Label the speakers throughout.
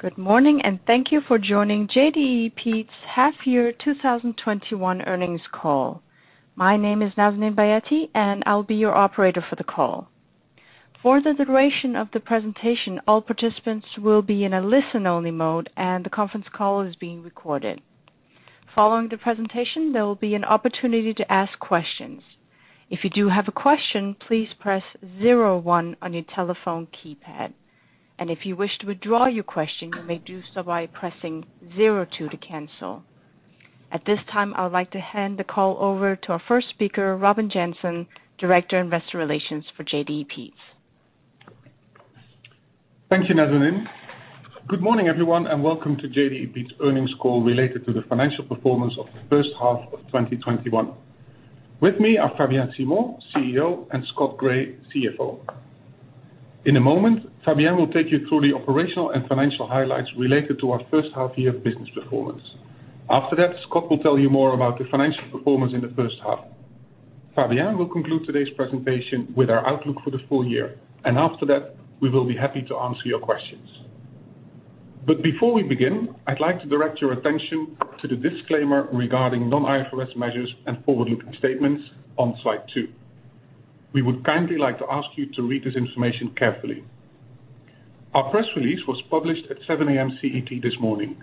Speaker 1: Good morning, and thank you for joining JDE Peet's Half Year 2021 Earnings Call. My name is Nazanin Bayati, and I'll be your Operator for the call. For the duration of the presentation, all participants will be in a listen-only mode, and the conference call is being recorded. Following the presentation, there will be an opportunity to ask questions. If you do have a question, please press zero one on your telephone keypad. If you wish to withdraw your question, you may do so by pressing zero two to cancel. At this time, I would like to hand the call over to our first speaker, Robin Jansen, Director Investor Relations for JDE Peet's.
Speaker 2: Thank you, Nazanin. Good morning, everyone, and welcome to JDE Peet's Earnings Call related to the Financial Performance of the First Half of 2021. With me are Fabien Simon, CEO, and Scott Gray, CFO. In a moment, Fabien will take you through the operational and financial highlights related to our first half-year business performance. After that, Scott will tell you more about the financial performance in the first half. Fabien will conclude today's presentation with our outlook for the full year. After that, we will be happy to answer your questions. Before we begin, I'd like to direct your attention to the disclaimer regarding non-IFRS measures and forward-looking statements on slide two. We would kindly like to ask you to read this information carefully. Our press release was published at 7:00 A.M. CET this morning.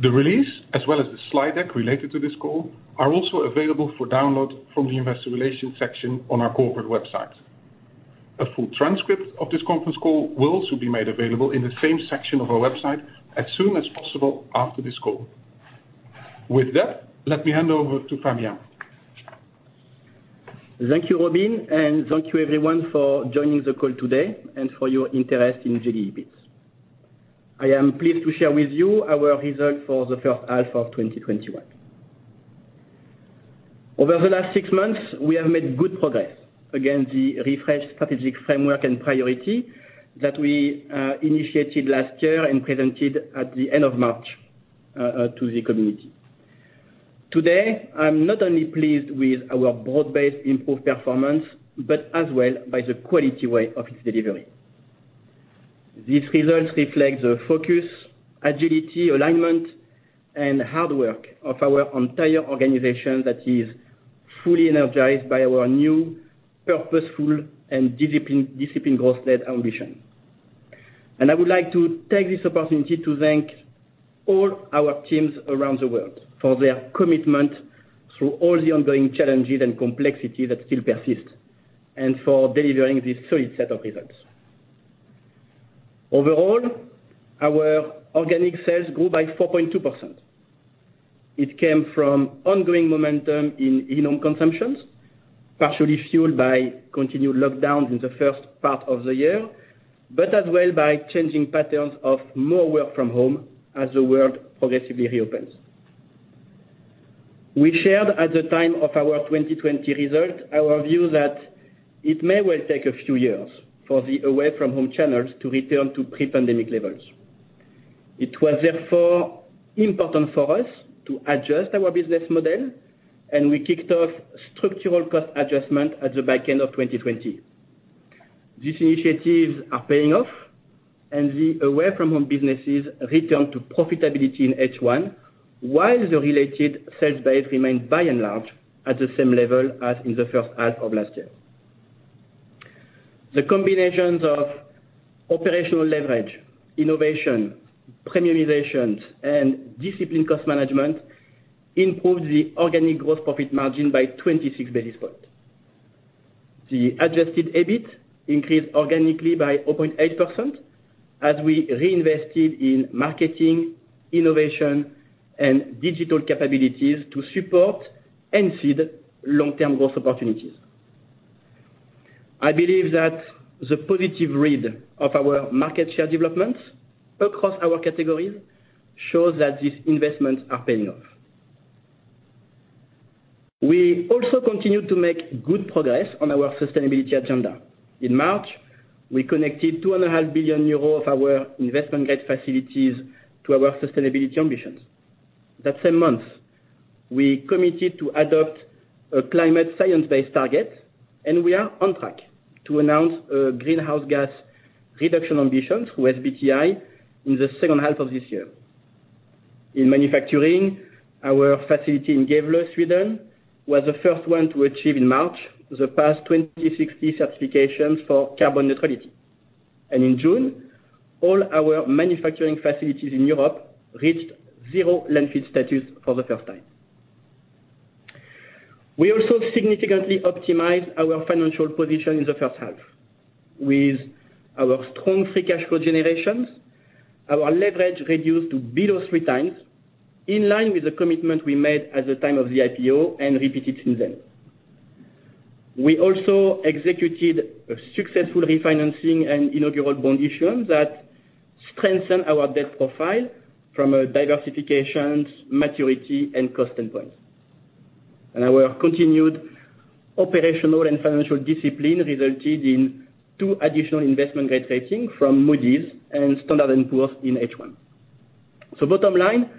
Speaker 2: The release, as well as the slide deck related to this call, are also available for download from the investor relations section on our corporate website. A full transcript of this conference call will also be made available in the same section of our website as soon as possible after this call. With that, let me hand over to Fabien.
Speaker 3: Thank you, Robin, thank you everyone for joining the call today and for your interest in JDE Peet's. I am pleased to share with you our result for the first half of 2021. Over the last six months, we have made good progress against the refreshed strategic framework and priority that we initiated last year and presented at the end of March to the community. Today, I'm not only pleased with our broad-based improved performance, but as well by the quality way of its delivery. These results reflect the focus, agility, alignment, and hard work of our entire organization that is fully energized by our new purposeful and discipline growth led ambition. I would like to take this opportunity to thank all our teams around the world for their commitment through all the ongoing challenges and complexity that still persist, and for delivering this solid set of results. Overall, our organic sales grew by 4.2%. It came from ongoing momentum in in-home consumptions, partially fueled by continued lockdowns in the first part of the year, but as well by changing patterns of more work from home as the world progressively reopens. We shared at the time of our 2020 result, our view that it may well take a few years for the Away-from-Home channels to return to pre-pandemic levels. It was therefore important for us to adjust our business model. And we kicked off structural cost adjustment at the back end of 2020. These initiatives are paying off. The Away-from-Home businesses return to profitability in H1, while the related sales base remained by and large at the same level as in the first half of last year. The combinations of operational leverage, innovation, premiumizations, and discipline cost management improved the organic gross profit margin by 26 basis points. The Adjusted EBIT increased organically by 0.8% as we reinvested in marketing, innovation, and digital capabilities to support and seed long-term growth opportunities. I believe that the positive read of our market share developments across our categories shows that these investments are paying off. We also continue to make good progress on our sustainability agenda. In March, we connected 2.5 billion euros of our investment-grade facilities to our sustainability ambitions. That same month, we committed to adopt a climate science-based target. We are on track to announce a greenhouse gas reduction ambitions with SBTI in the second half of this year. In manufacturing, our facility in Gävle, Sweden, was the first to achieve in March the PAS2060 certifications for Carbon Neutrality. In June, all our manufacturing facilities in Europe reached zero landfill status for the first time. We also significantly optimized our financial position in the first half. With our strong free cash flow generations, our leverage reduced to below 3x, in line with the commitment we made at the time of the IPO and repeated since then. We also executed a successful refinancing and inaugural bond issue that strengthened our debt profile from a diversification, maturity, and cost standpoint. Our continued operational and financial discipline resulted in two additional investment-grade ratings from Moody's and Standard & Poor's in H1. Bottom line,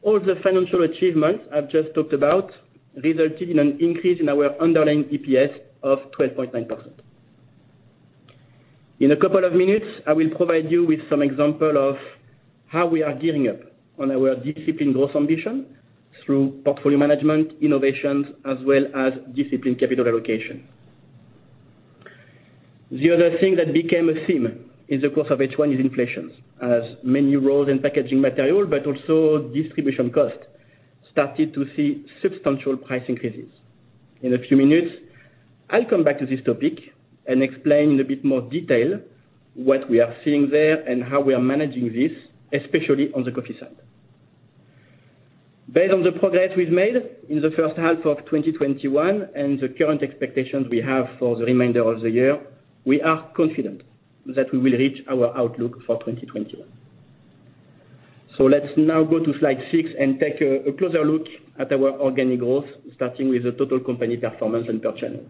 Speaker 3: all the financial achievements I've just talked about resulted in an increase in our underlying EPS of 12.9%. In a couple of minutes, I will provide you with some example of how we are gearing up on our disciplined growth ambition through portfolio management, innovations, as well as disciplined capital allocation. The other thing that became a theme in the course of H1 is inflation, as many raw and packaging material, but also distribution costs, started to see substantial price increases. In a few minutes, I'll come back to this topic and explain in a bit more detail what we are seeing there and how we are managing this, especially on the coffee side. Based on the progress we've made in the first half of 2021 and the current expectations we have for the remainder of the year, we are confident that we will reach our outlook for 2021. Let's now go to slide six and take a closer look at our organic growth, starting with the total company performance and per channel.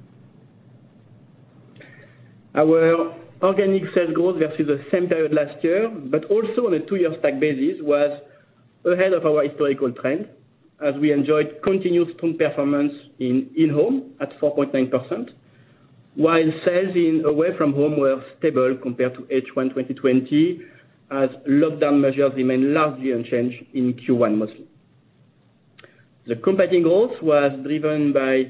Speaker 3: Our organic sales growth versus the same period last year, but also on a two-year stack basis, was ahead of our historical trend as we enjoyed continued strong performance in in-home at 4.9%, while sales in Away-from-Home were stable compared to H1 2020, as lockdown measures remained largely unchanged in Q1 mostly. The competing growth was driven by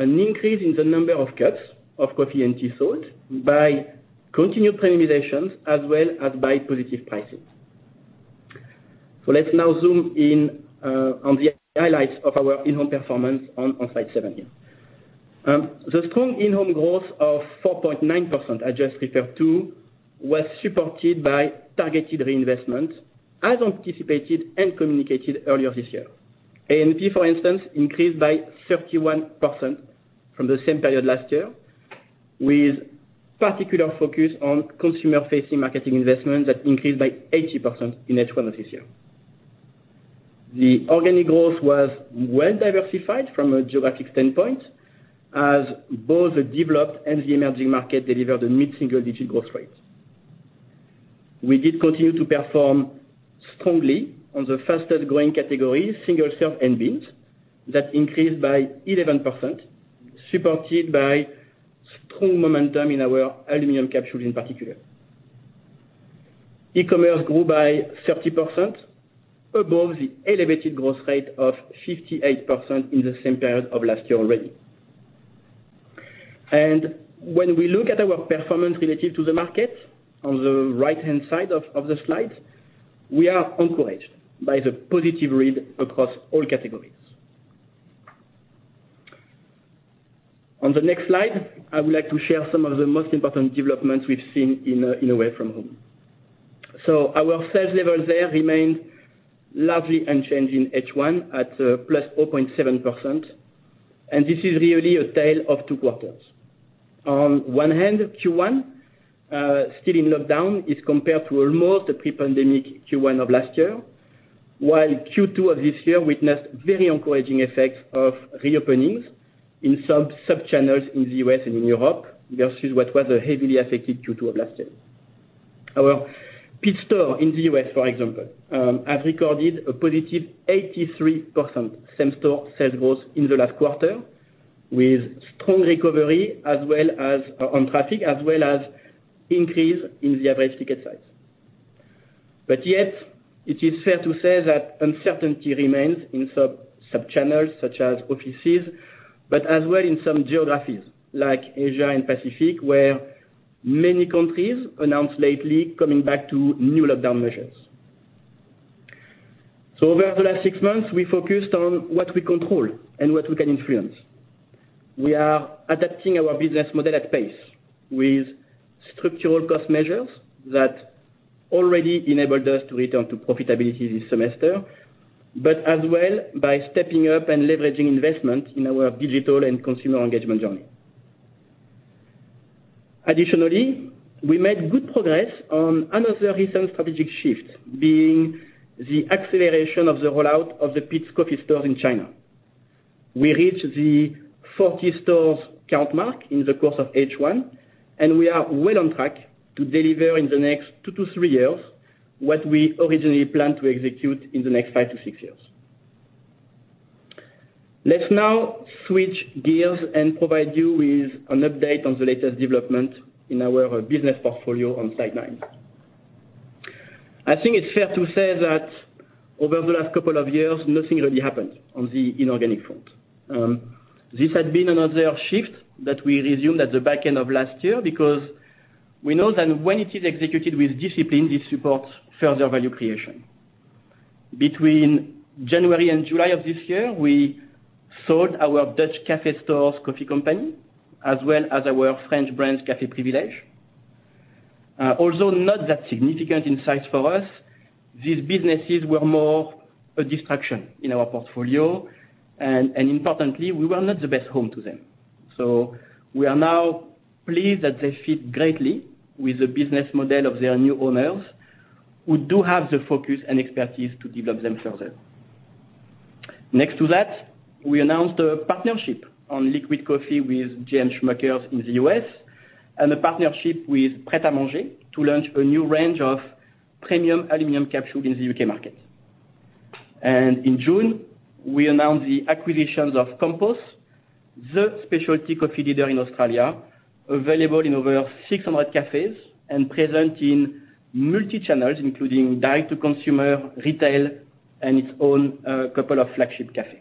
Speaker 3: an increase in the number of cups of coffee and tea sold by continued premiumizations, as well as by positive pricing. Let's now zoom in on the highlights of our in-home performance on slide seven here. The strong in-home growth of 4.9% I just referred to was supported by targeted reinvestment, as anticipated and communicated earlier this year. A&P, for instance, increased by 31% from the same period last year, with particular focus on consumer-facing marketing investments that increased by 80% in H1 of this year. The organic growth was well-diversified from a geographic standpoint, as both the developed and the emerging market delivered a mid-single-digit growth rate. We did continue to perform strongly on the fastest-growing categories, single-serve and beans, that increased by 11%, supported by strong momentum in our aluminum capsules in particular. E-commerce grew by 30%, above the elevated growth rate of 58% in the same period of last year already. When we look at our performance relative to the market, on the right-hand side of the slide, we are encouraged by the positive read across all categories. On the next slide, I would like to share some of the most important developments we've seen in Away-from-Home. Our sales level there remained largely unchanged in H1 at 0.7+%, and this is really a tale of two quarters. On one hand, Q1, still in lockdown, is compared to almost the pre-pandemic Q1 of last year, while Q2 of this year witnessed very encouraging effects of reopenings in some sub-channels in the U.S. and in Europe versus what was a heavily affected Q2 of last year. Our Peet's store in the U.S., for example, has recorded a positive 83% same-store sales growth in the last quarter, with strong recovery on traffic, as well as increase in the average ticket size. Yet it is fair to say that uncertainty remains in sub-channels such as offices, but as well in some geographies like Asia and Pacific, where many countries announced lately coming back to new lockdown measures. Over the last six months, we focused on what we control and what we can influence. We are adapting our business model at pace with structural cost measures that already enabled us to return to profitability this semester, but as well by stepping up and leveraging investment in our digital and consumer engagement journey. Additionally, we made good progress on another recent strategic shift, being the acceleration of the rollout of the Peet's Coffee stores in China. We reached the 40 stores count mark in the course of H1, and we are well on track to deliver in the next two to three years what we originally planned to execute in the next five to six years. Let's now switch gears and provide you with an update on the latest development in our business portfolio on slide nine. I think it's fair to say that over the last couple of years, nothing really happened on the inorganic front. This had been another shift that we resumed at the back end of last year because we know that when it is executed with discipline, this supports further value creation. Between January and July of this year, we sold our Dutch cafe stores Coffeecompany, as well as our French brand Café Privilège. Although not that significant in size for us, these businesses were more a distraction in our portfolio, and importantly, we were not the best home to them. We are now pleased that they fit greatly with the business model of their new owners, who do have the focus and expertise to develop them further. Next to that, we announced a partnership on liquid coffee with J.M. Smucker in the U.S., and a partnership with Pret A Manger to launch a new range of premium aluminum capsules in the U.K. market. In June, we announced the acquisitions of Campos, the specialty coffee leader in Australia, available in over 600 cafes and present in multi-channels, including direct to consumer, retail, and its own couple of flagship cafes.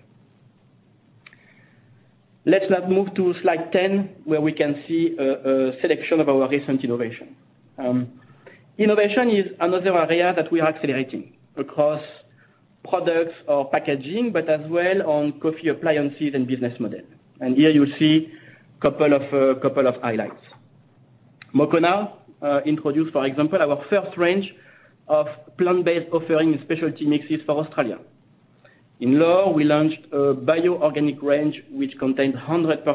Speaker 3: Let's now move to slide 10, where we can see a selection of our recent innovation. Innovation is another area that we are accelerating across products or packaging, but as well on coffee appliances and business model. Here you see couple of highlights. Moccona introduced, for example, our first range of plant-based offering specialty mixes for Australia. In L'OR, we launched a bio organic range, which contained 100%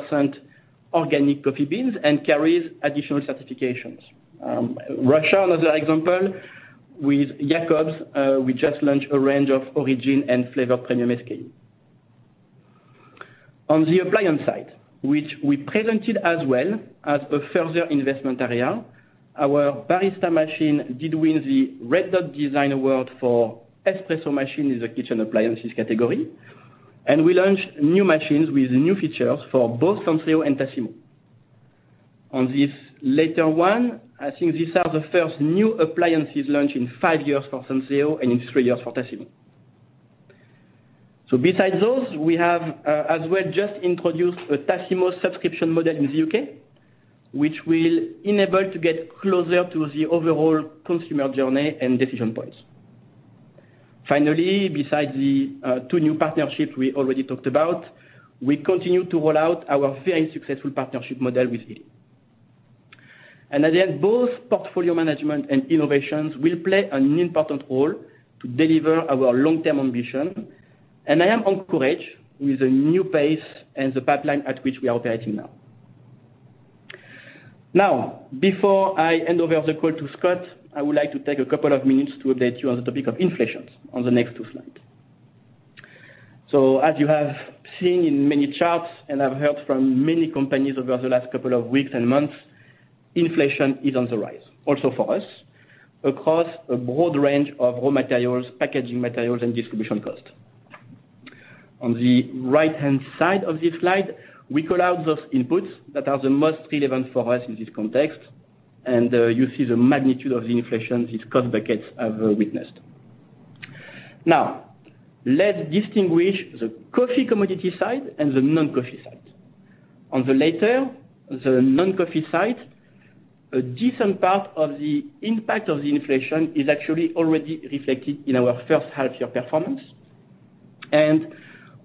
Speaker 3: organic coffee beans and carries additional certifications. Russia, another example, with Jacobs, we just launched a range of origin and flavor premium SKU. On the appliance side, which we presented as well as a further investment area, our Barista machine did win the Red Dot Design Award for espresso machine in the kitchen appliances category. We launched new machines with new features for both Senseo and Tassimo. On this later one, I think these are the first new appliances launch in five years for Senseo and in three years for Tassimo. Besides those, we have as well just introduced a Tassimo Subscription Model in the U.K., which will enable to get closer to the overall consumer journey and decision points. Finally, besides the two new partnerships we already talked about, we continue to roll out our very successful partnership model with Nestlé. And at the end, both portfolio management and innovations will play an important role to deliver our long-term ambition. I am encouraged with the new pace and the pipeline at which we are operating now. Before I hand over the call to Scott, I would like to take a couple of minutes to update you on the topic of inflation on the next two slides. As you have seen in many charts and have heard from many companies over the last a couple of weeks and months, inflation is on the rise also for us across a broad range of raw materials, packaging materials, and distribution costs. On the right-hand side of this slide, we call out those inputs that are the most relevant for us in this context, and you see the magnitude of the inflation these cost buckets have witnessed. Now, let's distinguish the coffee commodity side and the non-coffee side. On the latter, the non-coffee side, a decent part of the impact of the inflation is actually already reflected in our first half year performance.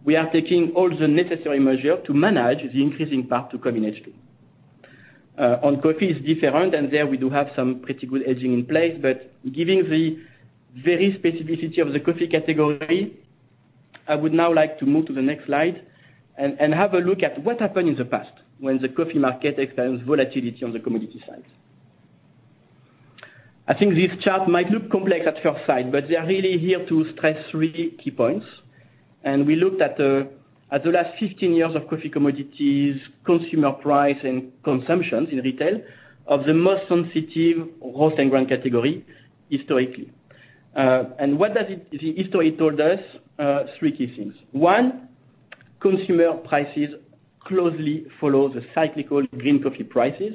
Speaker 3: We are taking all the necessary measure to manage the increasing part to come in H2. On coffee is different, and there we do have some pretty good hedging in place. Given the very specificity of the coffee category, I would now like to move to the next slide and have a look at what happened in the past when the coffee market experienced volatility on the commodity side. I think this chart might look complex at first sight, but they are really here to stress three key points. We looked at the last 15 years of coffee commodities, consumer price, and consumption in retail of the most sensitive roast and ground category historically. What did the history told us? Three key things. One, consumer prices closely follow the cyclical green coffee prices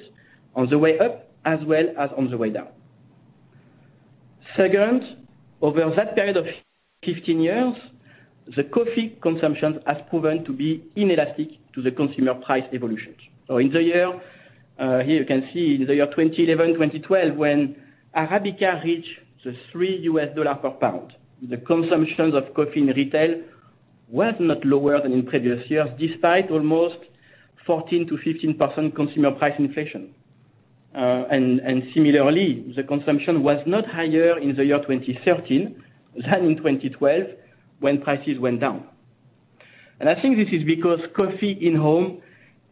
Speaker 3: on the way up, as well as on the way down. Second, over that period of 15 years, the coffee consumption has proven to be inelastic to the consumer price evolution. In the year, here you can see, in the year 2011, 2012, when Arabica reached the $3 per pound, the consumption of coffee in retail was not lower than in previous years, despite almost 14%-15% consumer price inflation. Similarly, the consumption was not higher in the year 2013 than in 2012 when prices went down. I think this is because coffee in home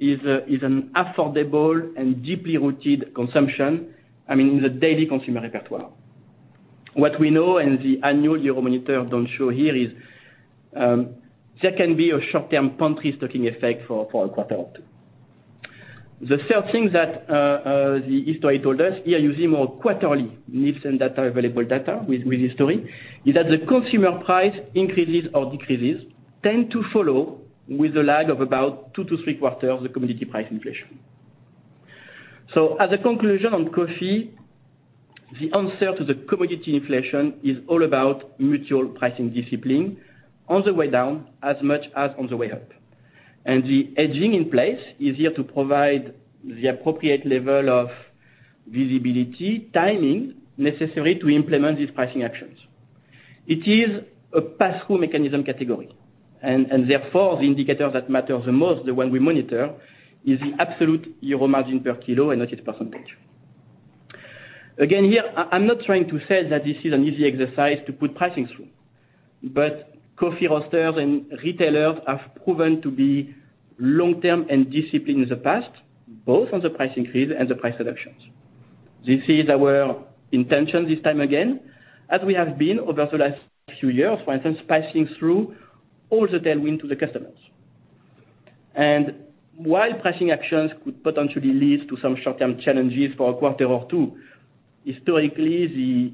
Speaker 3: is an affordable and deeply rooted consumption, I mean, in the daily consumer repertoire. What we know in the annual Euromonitor don't show here is there can be a short-term pantry stocking effect for a quarter or two. The third thing that the history told us, here using more quarterly Nielsen data, available data with history, is that the consumer price increases or decreases tend to follow with a lag of about two to three quarters the commodity price inflation. As a conclusion on coffee, the answer to the commodity inflation is all about mutual pricing discipline on the way down as much as on the way up. The hedging in place is here to provide the appropriate level of visibility, timing necessary to implement these pricing actions. It is a pass-through mechanism category, and therefore, the indicator that matters the most, the one we monitor, is the absolute EUR margin per kilo and not its percentage. Again, here, I'm not trying to say that this is an easy exercise to put pricing through, but coffee roasters and retailers have proven to be long-term and disciplined in the past, both on the price increase and the price reductions. This is our intention this time again, as we have been over the last few years, for instance, passing through all the tailwind to the customers. While pricing actions could potentially lead to some short-term challenges for a quarter or two, historically,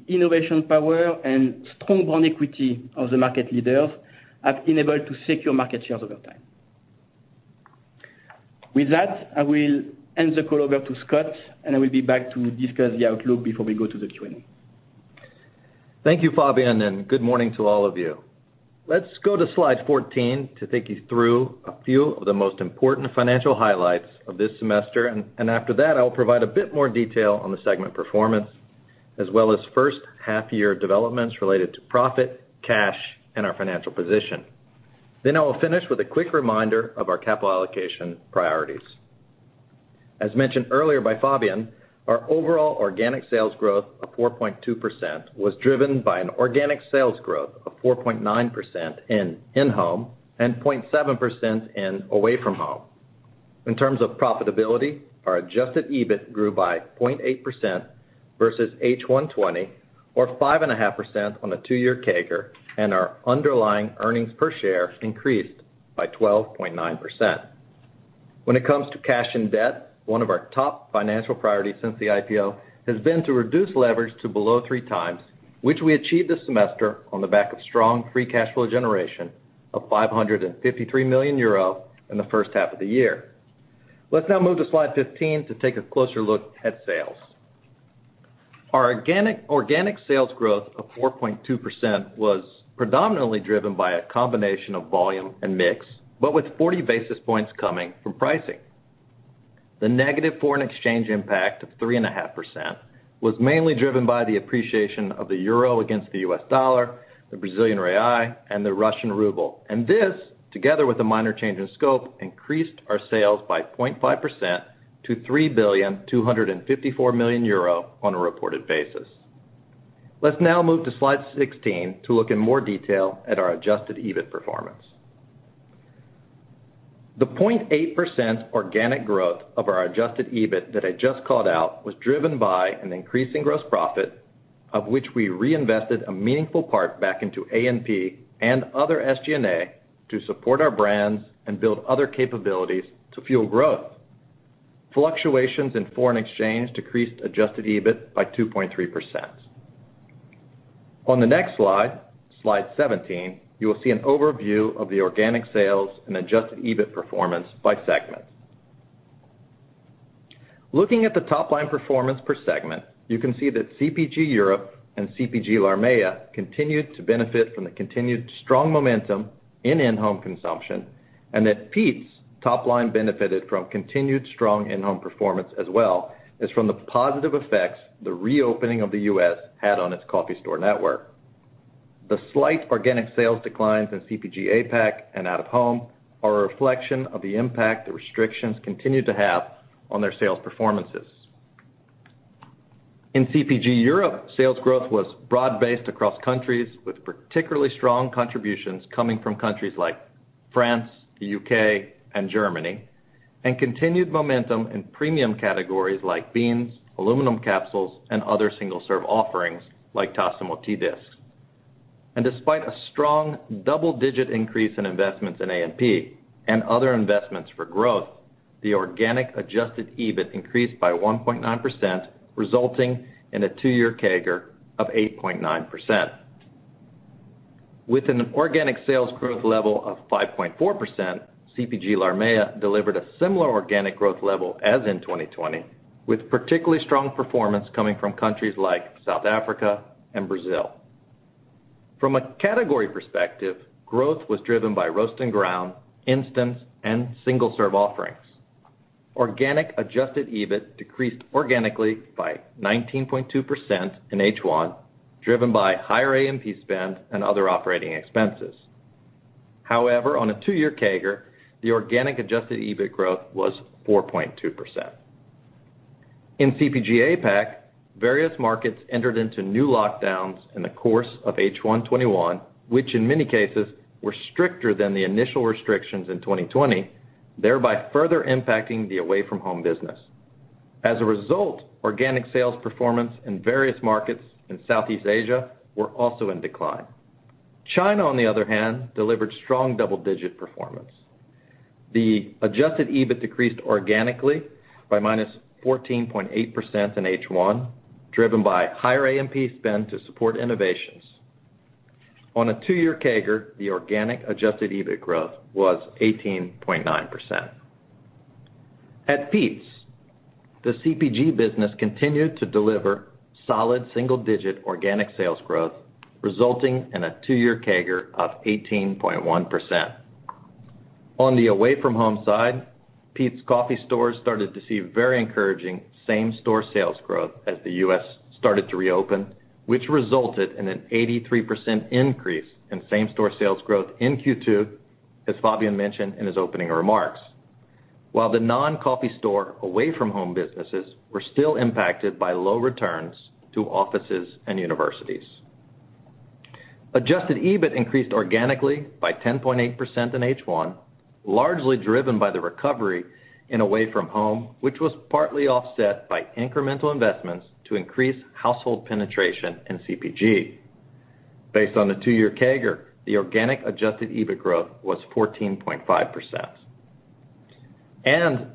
Speaker 3: the innovation power and strong brand equity of the market leaders have been able to secure market shares over time. With that, I will hand the call over to Scott, and I will be back to discuss the outlook before we go to the Q&A.
Speaker 4: Thank you, Fabien, and good morning to all of you. Let's go to slide 14 to take you through a few of the most important financial highlights of this semester, and after that, I will provide a bit more detail on the segment performance, as well as first half-year developments related to profit, cash, and our financial position. I will finish with a quick reminder of our capital allocation priorities. As mentioned earlier by Fabien, our overall organic sales growth of 4.2% was driven by an organic sales growth of 4.9% in in-home and 0.7% in Away-from-Home. In terms of profitability, our Adjusted EBIT grew by 0.8% versus H1 2020, or 5.5% on a two-year CAGR, and our underlying earnings per share increased by 12.9%. When it comes to cash and debt, one of our top financial priorities since the IPO has been to reduce leverage to below 3x, which we achieved this semester on the back of strong free cash flow generation of 553 million euro in the first half of the year. Let's now move to slide 15 to take a closer look at sales. Our organic sales growth of 4.2% was predominantly driven by a combination of volume and mix, but with 40 basis points coming from pricing. The negative foreign exchange impact of 3.5% was mainly driven by the appreciation of the Euro against the U.S. dollar, the Brazilian real, and the Russian ruble. This, together with a minor change in scope, increased our sales by 0.5% to 3.254 billion euro on a reported basis. Let's now move to slide 16 to look in more detail at our Adjusted EBIT performance. The 0.8% organic growth of our Adjusted EBIT that I just called out was driven by an increasing gross profit, of which we reinvested a meaningful part back into A&P and other SG&A to support our brands and build other capabilities to fuel growth. Fluctuations in foreign exchange decreased adjusted EBIT by 2.3%. On the next slide 17, you will see an overview of the organic sales and Adjusted EBIT performance by segment. Looking at the top-line performance per segment, you can see that CPG Europe and CPG LARMEA continued to benefit from the continued strong momentum in in-home consumption, and that Peet's top line benefited from continued strong in-home performance as well as from the positive effects the reopening of the U.S. had on its coffee store network. The slight organic sales declines in CPG APAC, and Out-of-Home are a reflection of the impact the restrictions continue to have on their sales performances. In CPG Europe, sales growth was broad-based across countries with particularly strong contributions coming from countries like France, the U.K., and Germany, and continued momentum in premium categories like beans, aluminum capsules, and other single-serve offerings like Tassimo T-Disc. Despite a strong double-digit increase in investments in A&P and other investments for growth, the organic Adjusted EBIT increased by 1.9%, resulting in a two-year CAGR of 8.9%. With an organic sales growth level of 5.4%, CPG LARMEA delivered a similar organic growth level as in 2020, with particularly strong performance coming from countries like South Africa and Brazil. From a category perspective, growth was driven by roast and ground, instant, and single-serve offerings. Organic Adjusted EBIT decreased organically by 19.2% in H1, driven by higher A&P spend and other operating expenses. However, on a two-year CAGR, the organic Adjusted EBIT growth was 4.2%. In CPG APAC, various markets entered into new lockdowns in the course of H1 2021, which in many cases were stricter than the initial restrictions in 2020, thereby further impacting the Away-from-Home business. As a result, organic sales performance in various markets in Southeast Asia were also in decline. China, on the other hand, delivered strong double-digit performance. The Adjusted EBIT decreased organically by -14.8% in H1, driven by higher A&P spend to support innovations. On a two-year CAGR, the organic Adjusted EBIT growth was 18.9%. At Peet's, the CPG business continued to deliver solid single-digit organic sales growth, resulting in a two-year CAGR of 18.1%. On the Away-from-Home side, Peet's Coffee stores started to see very encouraging same-store sales growth as the U.S. started to reopen, which resulted in an 83% increase in same-store sales growth in Q2, as Fabien mentioned in his opening remarks. While the non-coffee store Away-from-Home businesses were still impacted by low returns to offices and universities. Adjusted EBIT increased organically by 10.8% in H1, largely driven by the recovery in Away-from-Home, which was partly offset by incremental investments to increase household penetration in CPG. Based on the two-year CAGR, the organic Adjusted EBIT growth was 14.5%.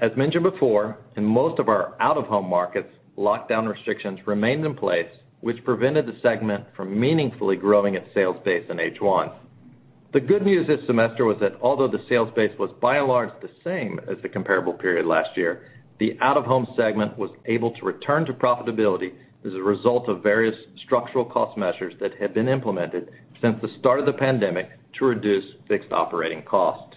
Speaker 4: As mentioned before, in most of our Out-of-Home markets, lockdown restrictions remained in place, which prevented the segment from meaningfully growing its sales base in H1. The good news this semester was that although the sales base was by and large the same as the comparable period last year, the Out-of-Home segment was able to return to profitability as a result of various structural cost measures that had been implemented since the start of the pandemic to reduce fixed operating costs.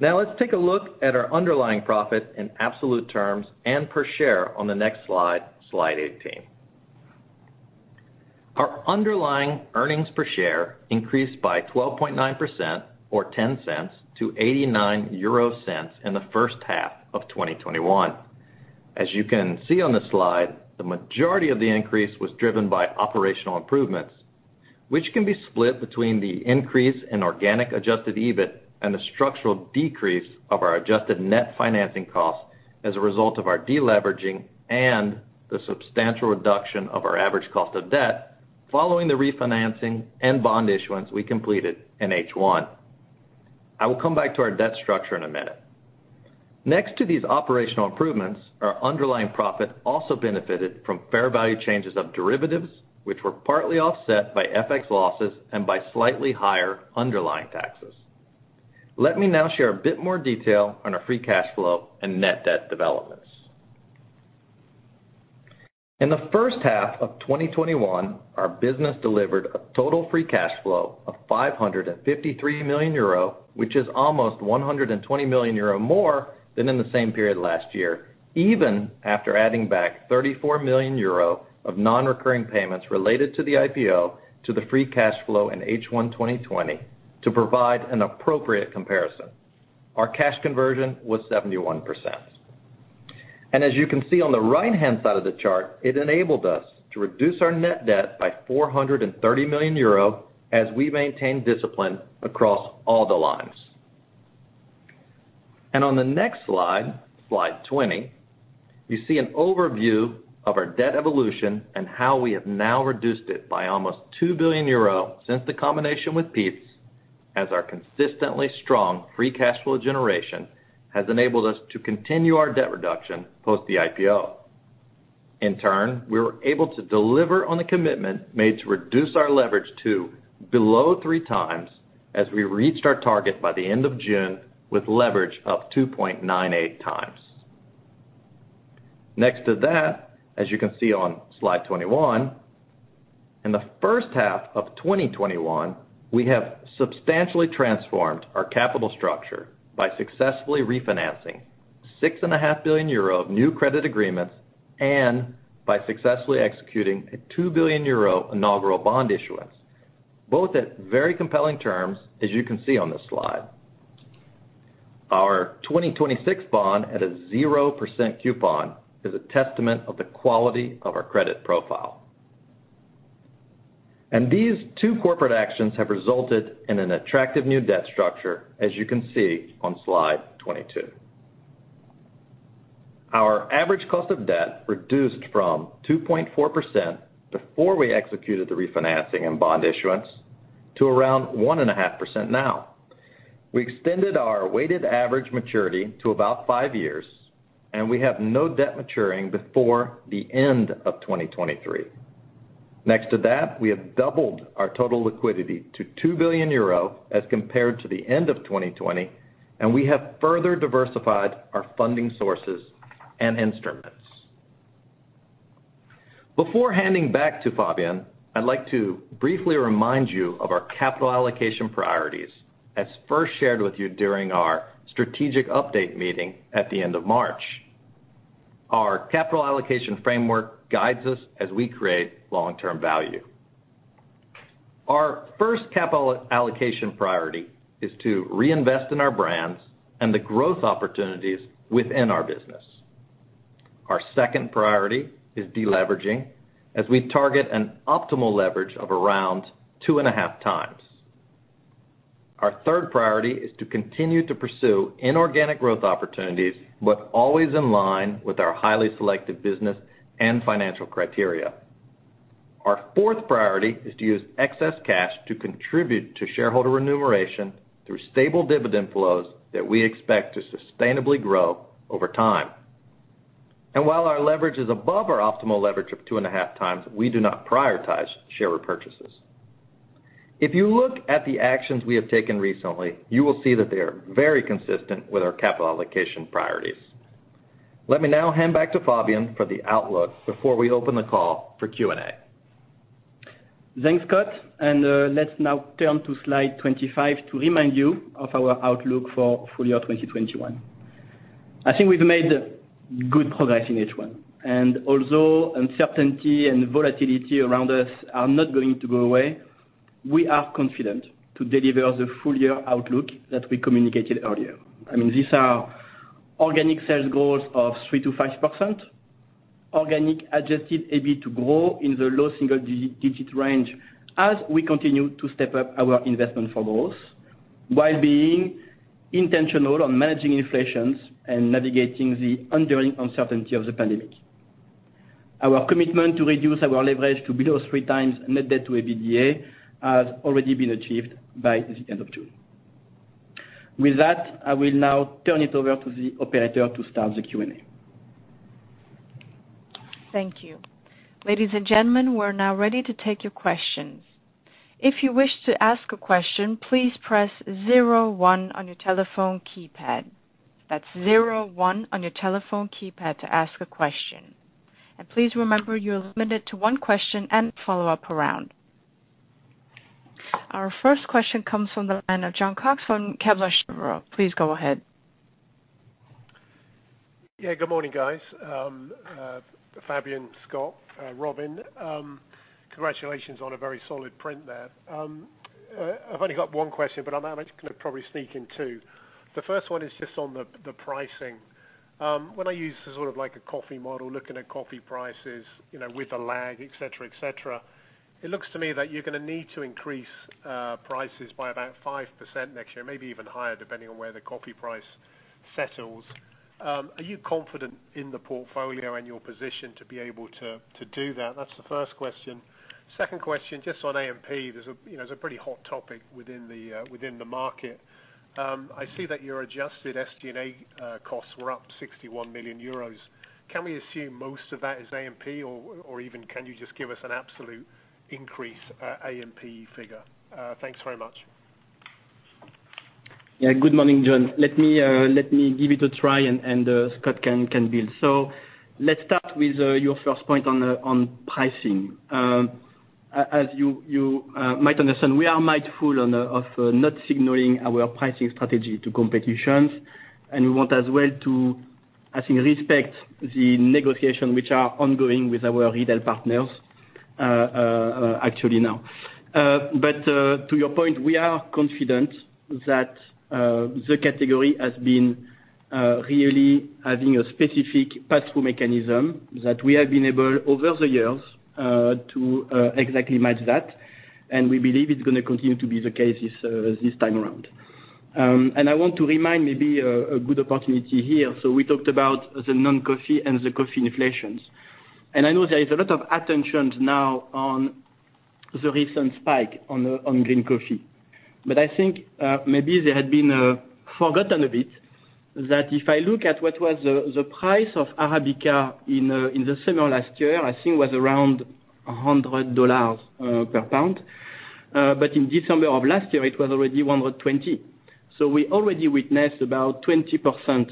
Speaker 4: Now, let's take a look at our underlying profit in absolute terms and per share on the next slide 18. Our underlying earnings per share increased by 12.9%, or 0.10 to 0.89 in the first half of 2021. As you can see on the slide, the majority of the increase was driven by operational improvements, which can be split between the increase in organic Adjusted EBIT and the structural decrease of our adjusted net financing cost as a result of our de-leveraging and the substantial reduction of our average cost of debt following the refinancing and bond issuance we completed in H1. I will come back to our debt structure in a minute. Next to these operational improvements, our underlying profit also benefited from fair value changes of derivatives, which were partly offset by FX losses and by slightly higher underlying taxes. Let me now share a bit more detail on our free cash flow and net debt developments. In the first half of 2021, our business delivered a total free cash flow of 553 million euro, which is almost 120 million more than in the same period last year, even after adding back 34 million euro of non-recurring payments related to the IPO to the free cash flow in H1 2020 to provide an appropriate comparison. Our cash conversion was 71%. As you can see on the right-hand side of the chart, it enabled us to reduce our net debt by 430 million euro as we maintained discipline across all the lines. On the next slide, slide 20, you see an overview of our debt evolution and how we have now reduced it by almost 2 billion euro since the combination with Peet's, as our consistently strong free cash flow generation has enabled us to continue our debt reduction post the IPO. In turn, we were able to deliver on the commitment made to reduce our leverage to below 3x as we reached our target by the end of June with leverage of 2.980x. Next to that, as you can see on slide 21, in the first half of 2021, we have substantially transformed our capital structure by successfully refinancing 6.5 billion euro of new credit agreements and by successfully executing a 2 billion euro inaugural bond issuance, both at very compelling terms, as you can see on the slide. Our 2026 bond at a 0% coupon is a testament of the quality of our credit profile. These two corporate actions have resulted in an attractive new debt structure, as you can see on slide 22. Our average cost of debt reduced from 2.4% before we executed the refinancing and bond issuance to around 1.5% now. We extended our weighted average maturity to about five years, and we have no debt maturing before the end of 2023. Next to that, we have doubled our total liquidity to 2 billion euro as compared to the end of 2020, and we have further diversified our funding sources and instruments. Before handing back to Fabien, I'd like to briefly remind you of our capital allocation priorities, as first shared with you during our strategic update meeting at the end of March. Our capital allocation framework guides us as we create long-term value. Our first capital allocation priority is to reinvest in our brands and the growth opportunities within our business. Our second priority is deleveraging, as we target an optimal leverage of around 2.5x. Our third priority is to continue to pursue inorganic growth opportunities, but always in line with our highly selective business and financial criteria. Our fourth priority is to use excess cash to contribute to shareholder remuneration through stable dividend flows that we expect to sustainably grow over time. While our leverage is above our optimal leverage of 2.5x we do not prioritize share repurchases. If you look at the actions we have taken recently, you will see that they are very consistent with our capital allocation priorities. Let me now hand back to Fabien for the outlook before we open the call for Q&A.
Speaker 3: Thanks, Scott. Let's now turn to slide 25 to remind you of our outlook for full year 2021. I think we've made good progress in H1. Although uncertainty and volatility around us are not going to go away, we are confident to deliver the full year outlook that we communicated earlier. These are organic sales growth of 3%-5%. Organic Adjusted EBIT to grow in the low single-digit range as we continue to step up our investment for growth while being intentional on managing inflations and navigating the enduring uncertainty of the pandemic. Our commitment to reduce our leverage to below 3x net debt to EBITDA has already been achieved by the end of June. With that, I will now turn it over to the Operator to start the Q&A.
Speaker 1: Thank you. Ladies and gentlemen, we're now ready to take your questions. If you wish to ask a question, please press zero one on your telephone keypad. That's zero one on your telephone keypad to ask a question. Please remember, you're limited to one question and follow-up around. Our first question comes from the line of Jon Cox from Kepler Cheuvreux. Please go ahead.
Speaker 5: Yeah. Good morning, guys. Fabien, Scott, and Robin. Congratulations on a very solid print there. I've only got one question, but I might probably sneak in two. The first one is just on the pricing. When I use sort of like a coffee model, looking at coffee prices, with the lag, et cetera. It looks to me that you're going to need to increase prices by about 5% next year, maybe even higher, depending on where the coffee price settles. Are you confident in the portfolio and your position to be able to do that? That's the first question. Second question, just on A&P. It's a pretty hot topic within the market. I see that your Adjusted SG&A costs were up 61 million euros. Can we assume most of that is A&P, or even can you just give us an absolute increase, A&P figure? Thanks very much.
Speaker 3: Good morning, Jon. Let me give it a try, and Scott can build. Let's start with your first point on pricing. As you might understand, we are mindful of not signaling our pricing strategy to competitors, and we want as well to, I think, respect the negotiation which are ongoing with our retail partners actually now. To your point, we are confident that the category has been really having a specific pass-through mechanism that we have been able, over the years, to exactly match that, and we believe it's going to continue to be the case this time around. I want to remind, maybe a good opportunity here, we talked about the non-coffee and the coffee inflations. I know there is a lot of attention now on the recent spike on green coffee. I think maybe they had been forgotten a bit that if I look at what was the price of Arabica in the summer last year, I think it was around $100 per pound. In December of last year, it was already $120. We already witnessed about 20%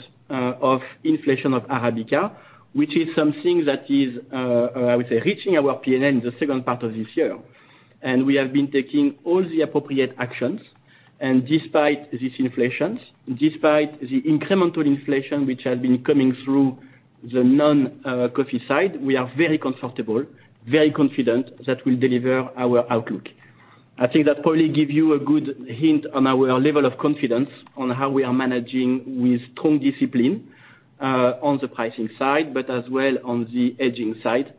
Speaker 3: of inflation of Arabica, which is something that is, I would say, reaching our P&L in the second part of this year. We have been taking all the appropriate actions. Despite this inflation, despite the incremental inflation which has been coming through the non-coffee side, we are very comfortable, very confident that we'll deliver our outlook. I think that probably give you a good hint on our level of confidence on how we are managing with strong discipline on the pricing side, but as well on the hedging side,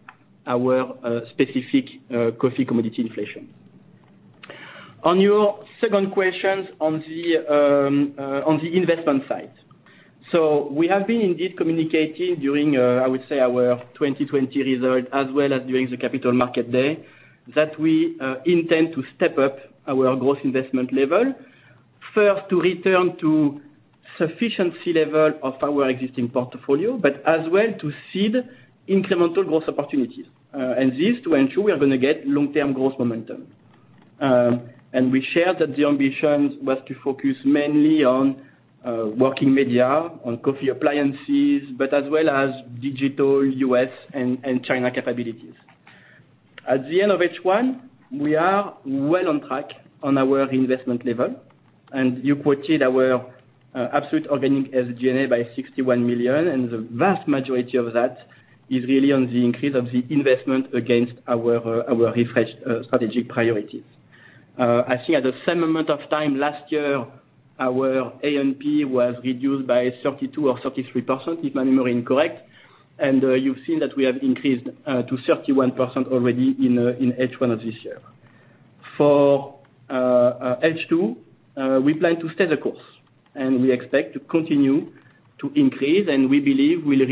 Speaker 3: our specific coffee commodity inflation. On your second questions on the investment side. We have been indeed communicating during, I would say, our 2020 result as well as during the Capital Market Day, that we intend to step up our growth investment level, first to return to sufficiency level of our existing portfolio, but as well to seed incremental growth opportunities. This, to ensure we are going to get long-term growth momentum. We shared that the ambitions was to focus mainly on working media, on coffee appliances, but as well as digital U.S. and China capabilities. At the end of H1, we are well on track on our investment level, and you quoted our absolute organic SG&A by 61 million, and the vast majority of that is really on the increase of the investment against our refreshed strategic priorities. I think at the same amount of time last year, our A&P was reduced by 32% or 33%, if my memory is correct, and you've seen that we have increased to 31% already in H1 of this year. For H2, we plan to stay the course, and we expect to continue to increase, and we believe we'll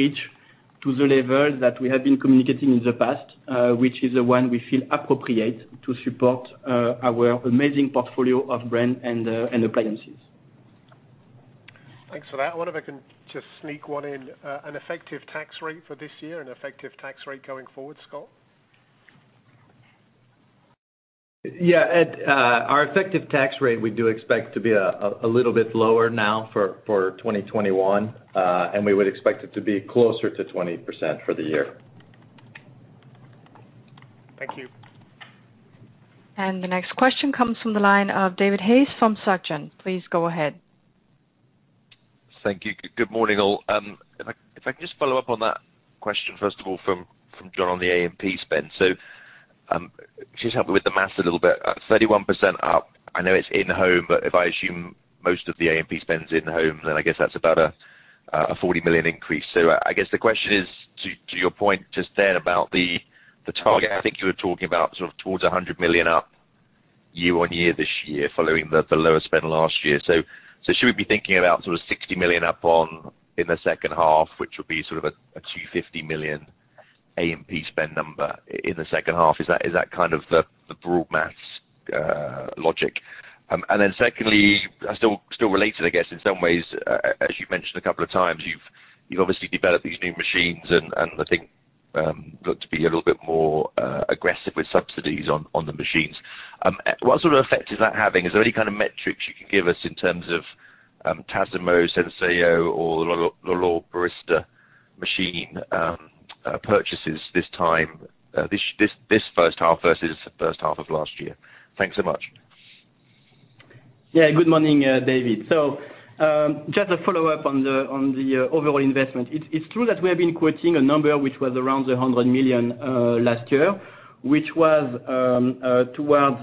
Speaker 3: reach to the level that we have been communicating in the past, which is the one we feel appropriate to support our amazing portfolio of brand and appliances.
Speaker 5: Thanks for that. I wonder if I can just sneak one in. An effective tax rate for this year, an effective tax rate going forward, Scott?
Speaker 4: Yeah. Our effective tax rate, we do expect to be a little bit lower now for 2021. And we would expect it to be closer to 20% for the year.
Speaker 5: Thank you.
Speaker 1: The next question comes from the line of David Hayes from SocGen. Please go ahead.
Speaker 6: Thank you. Good morning, all. If I can just follow up on that question, first of all, from Jon on the A&P spend. So, just help me with the maths a little bit. 31% up, I know it's in-home, but if I assume most of the A&P spends in-home, then I guess that's about a 40 million increase. I guess the question is, to your point just then about the target, I think you were talking about towards 100 million up year-on-year this year following the lower spend last year. Should we be thinking about sort of 60 million up in the second half, which will be sort of a 250 million A&P spend number in the second half? Is that kind of the broad maths logic? Secondly, still related, I guess, in some ways, as you've mentioned a couple of times, you've obviously developed these new machines and I think look to be a little bit more aggressive with subsidies on the machines. What sort of effect is that having? Is there any kind of metrics you can give us in terms of Tassimo, Senseo, or L'OR Barista machine purchases this time, this first half versus the first half of last year? Thanks so much.
Speaker 3: Yeah. Good morning, David. Just a follow-up on the overall investment. It's true that we have been quoting a number which was around 100 million last year, which was towards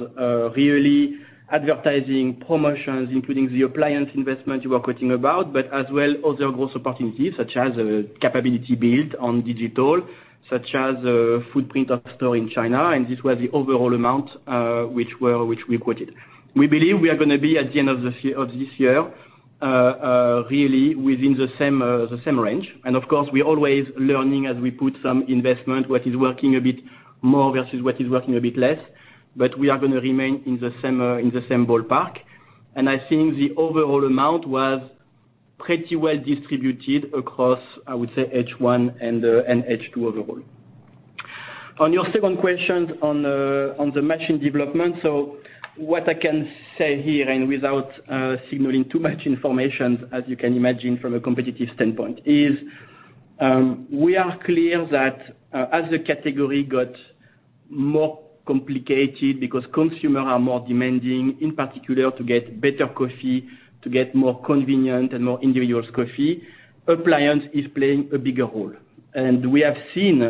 Speaker 3: really advertising promotions, including the appliance investment you were quoting about, but as well other growth opportunities such as capability build on digital, such as footprint of store in China, and this was the overall amount which we quoted. We believe we are going to be at the end of this year really within the same range. And of course, we always learning as we put some investment, what is working a bit more versus what is working a bit less. But we are going to remain in the same ballpark. I think the overall amount was pretty well distributed across, I would say, H1 and H2 overall. On your second question on the machine development. What I can say here, and without signaling too much information, as you can imagine from a competitive standpoint, is we are clear that as the category got more complicated because consumer are more demanding, in particular to get better coffee, to get more convenient and more [inaudible] coffee, appliance is playing a bigger role. We have seen,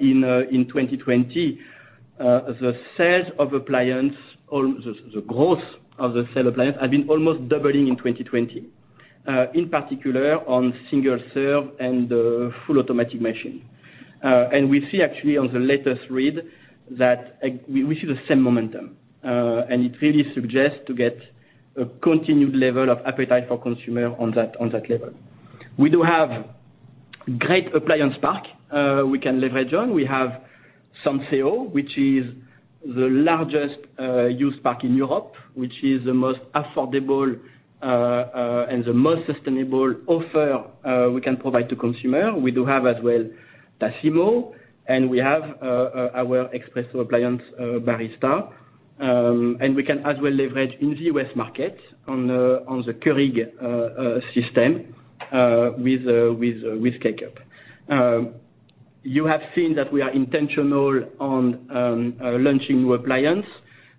Speaker 3: in 2020, the sales of appliance or the growth of the sale appliance have been almost doubling in 2020, in particular on single-serve and full automatic machine. We see actually on the latest read that we see the same momentum, and it really suggests to get a continued level of appetite for consumer on that level. We do have great appliance pack we can leverage on. We have Senseo, which is the largest used pack in Europe, which is the most affordable, and the most sustainable offer we can provide to consumer. We do have as well Tassimo, and we have our espresso appliance, L'OR Barista. We can as well leverage in the U.S. market on the Keurig system, with K-Cup. You have seen that we are intentional on launching new appliance.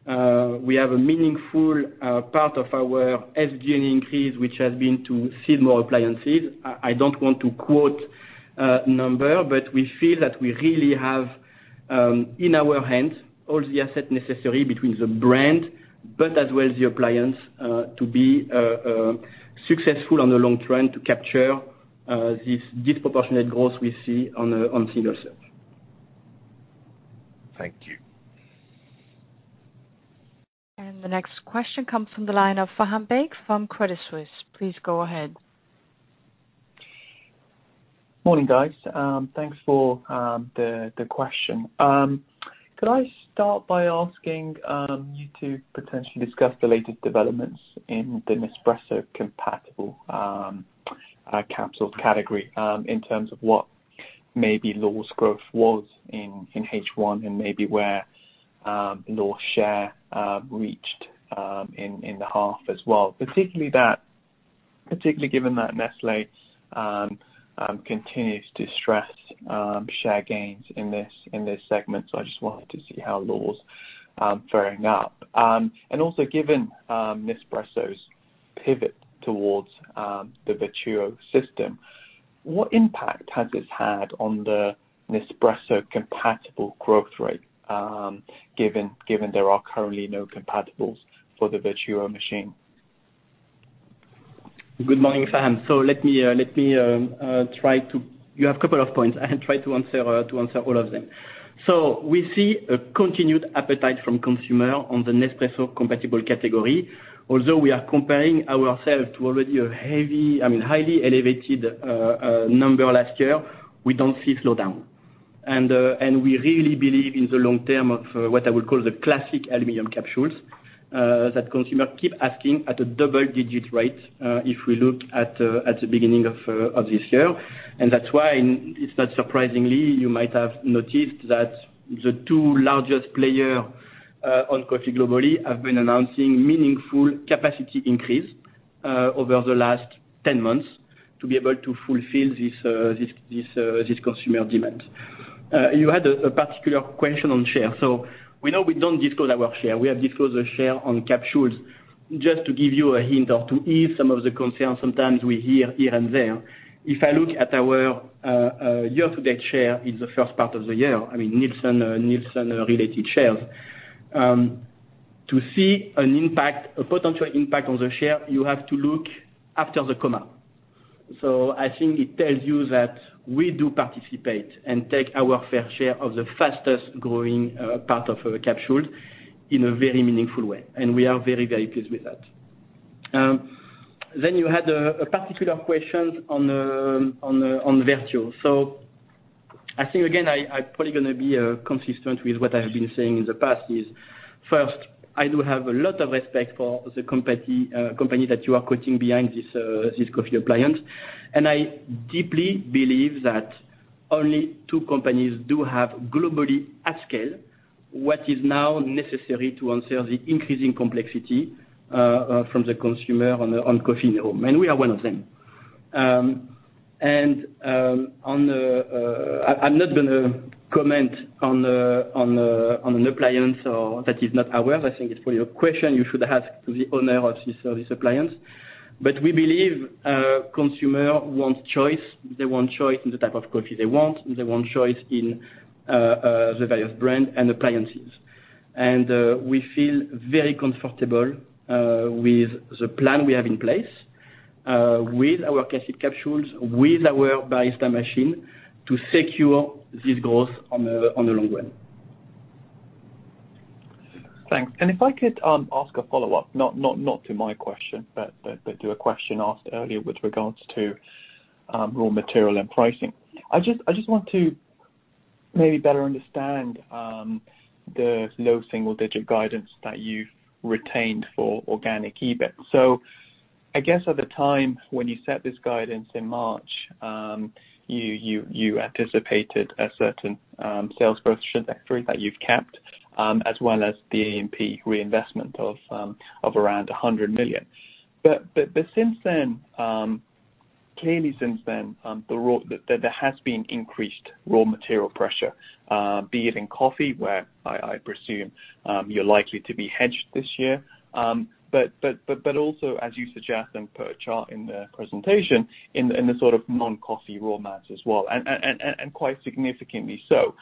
Speaker 3: We have a meaningful part of our SG&A increase, which has been to sell more appliances. I don't want to quote a number, but we feel that we really have, in our hands, all the asset necessary between the brand but as well the appliance to be successful on the long term to capture this disproportionate growth we see on single-serve.
Speaker 6: Thank you.
Speaker 1: The next question comes from the line of Faham Baig from Credit Suisse. Please go ahead.
Speaker 7: Morning, guys. Thanks for the question. Could I start by asking you to potentially discuss the latest developments in the Nespresso compatible capsules category, in terms of what maybe L'OR growth was in H1 and maybe where L'OR share reached, in the half as well? Particularly given that Nestlé continues to stress share gains in this segment. I just wanted to see how L'OR faring up. Also given Nespresso's pivot towards the Vertuo system, what impact has this had on the Nespresso compatible growth rate, given there are currently no compatibles for the Vertuo machine?
Speaker 3: Good morning, Faham. You have a couple of points. I try to answer all of them. We see a continued appetite from consumer on the Nespresso compatible category. Although we are comparing ourselves to already a heavy, I mean, highly elevated number last year, we don't see slowdown. We really believe in the long term of what I would call the classic aluminum capsules, that consumer keep asking at a double-digit rate, if we look at the beginning of this year. That's why it's not surprisingly, you might have noticed that the two largest player on coffee globally have been announcing meaningful capacity increase over the last 10 months to be able to fulfill this consumer demand. You had a particular question on share. We know we don't disclose our share. We have disclosed the share on capsules. Just to give you a hint or to ease some of the concerns sometimes we hear here and there. If I look at our year-to-date share in the first part of the year, I mean, Nielsen related shares. To see a potential impact on the share, you have to look after the comma. I think it tells you that we do participate and take our fair share of the fastest-growing part of our capsules in a very meaningful way. We are very, very pleased with that. You had a particular question on Vertuo. I think, again, I'm probably going to be consistent with what I have been saying in the past, is first, I do have a lot of respect for the company that you are quoting behind this coffee appliance, and I deeply believe that only two companies do have globally at scale, what is now necessary to answer the increasing complexity from the consumer on coffee in the home, and we are one of them. And I'm not going to comment on an appliance that is not ours. I think it's probably a question you should ask to the owner of this appliance. We believe consumer wants choice. They want choice in the type of coffee they want, and they want choice in the various brand and appliances. We feel very comfortable with the plan we have in place, with our classic capsules, with our barista machine to secure this growth on the long run.
Speaker 7: Thanks. If I could ask a follow-up, not to my question, but to a question asked earlier with regards to raw material and pricing. I just want to maybe better understand the low single-digit guidance that you've retained for organic EBIT. I guess at the time when you set this guidance in March, you anticipated a certain sales growth trajectory that you've kept, as well as the A&P reinvestment of around 100 million. Clearly since then, there has been increased raw material pressure, be it in coffee, where I presume you're likely to be hedged this year. Also as you suggest and per chart in the presentation, in the sort of non-coffee raw mats as well, and quite significantly so.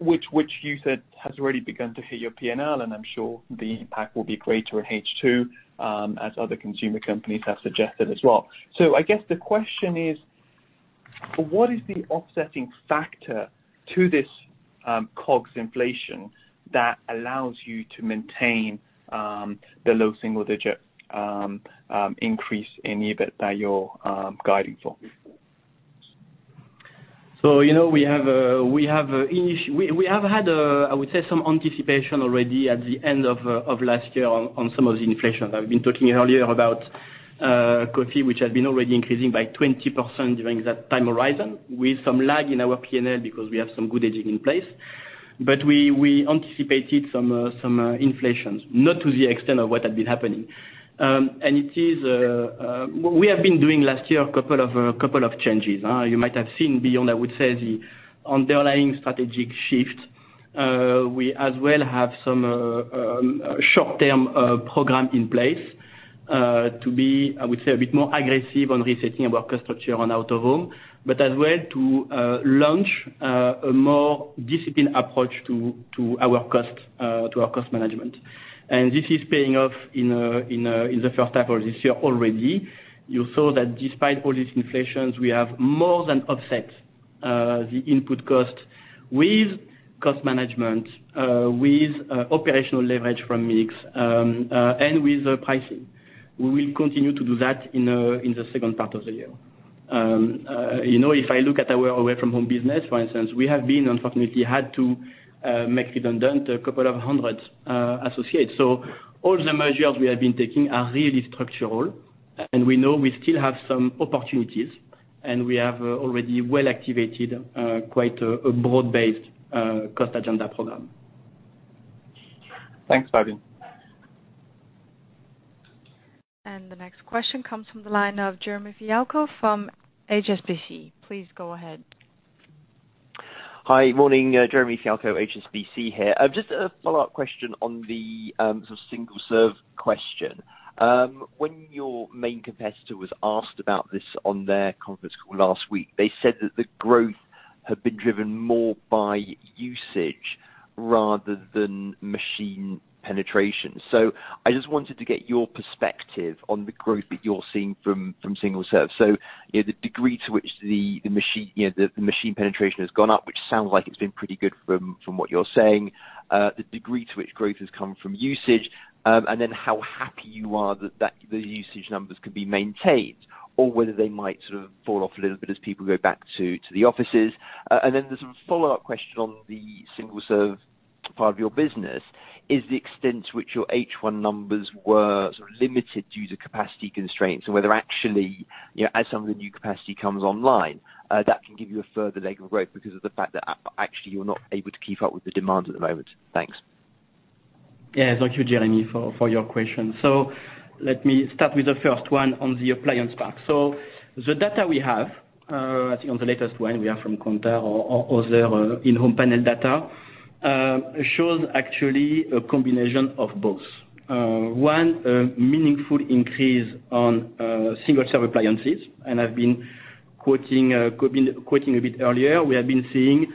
Speaker 7: Which you said has already begun to hit your P&L, and I'm sure the impact will be greater in H2, as other consumer companies have suggested as well. I guess the question is, what is the offsetting factor to this COGS inflation that allows you to maintain the low single-digit increase in EBIT that you're guiding for?
Speaker 3: We have had, I would say, some anticipation already at the end of last year on some of the inflation. I've been talking earlier about coffee, which has been already increasing by 20% during that time horizon, with some lag in our P&L because we have some good hedging in place. We anticipated some inflations, not to the extent of what had been happening. We have been doing last year, a couple of changes. You might have seen beyond, I would say, the underlying strategic shift. We as well have some short-term program in place, to be, I would say, a bit more aggressive on resetting our cost structure on Out-of-Home, but as well to launch a more disciplined approach to our cost management. This is paying off in the first half of this year already. You saw that despite all these inflations, we have more than offset the input cost with cost management, with operational leverage from mix, and with pricing. We will continue to do that in the second part of the year. If I look at our Away-from-Home business, for instance, we have been unfortunately had to make redundant a couple of 100 associates. All the measures we have been taking are really structural, and we know we still have some opportunities, and we have already well activated quite a broad-based cost agenda program.
Speaker 7: Thanks, Fabien.
Speaker 1: The next question comes from the line of Jeremy Fialko from HSBC. Please go ahead.
Speaker 8: Hi. Morning. Jeremy Fialko, HSBC here. Just a follow-up question on the sort of single-serve question. When your main competitor was asked about this on their conference call last week, they said that the growth had been driven more by usage rather than machine penetration. I just wanted to get your perspective on the growth that you're seeing from Single Serve. The degree to which the machine penetration has gone up, which sounds like it's been pretty good from what you're saying, the degree to which growth has come from usage, and then how happy you are that the usage numbers can be maintained or whether they might sort of fall off a little bit as people go back to the offices. There's a follow-up question on the Single Serve part of your business, is the extent to which your H1 numbers were sort of limited due to capacity constraints and whether actually, as some of the new capacity comes online, that can give you a further leg of growth because of the fact that actually you're not able to keep up with the demand at the moment? Thanks.
Speaker 3: Yeah. Thank you, Jeremy, for your question. Let me start with the first one on the appliance part. The data we have, I think on the latest one we have from Kantar or other in-home panel data, shows actually a combination of both. One, a meaningful increase on single-serve appliances and have been quoting a bit earlier, we have been seeing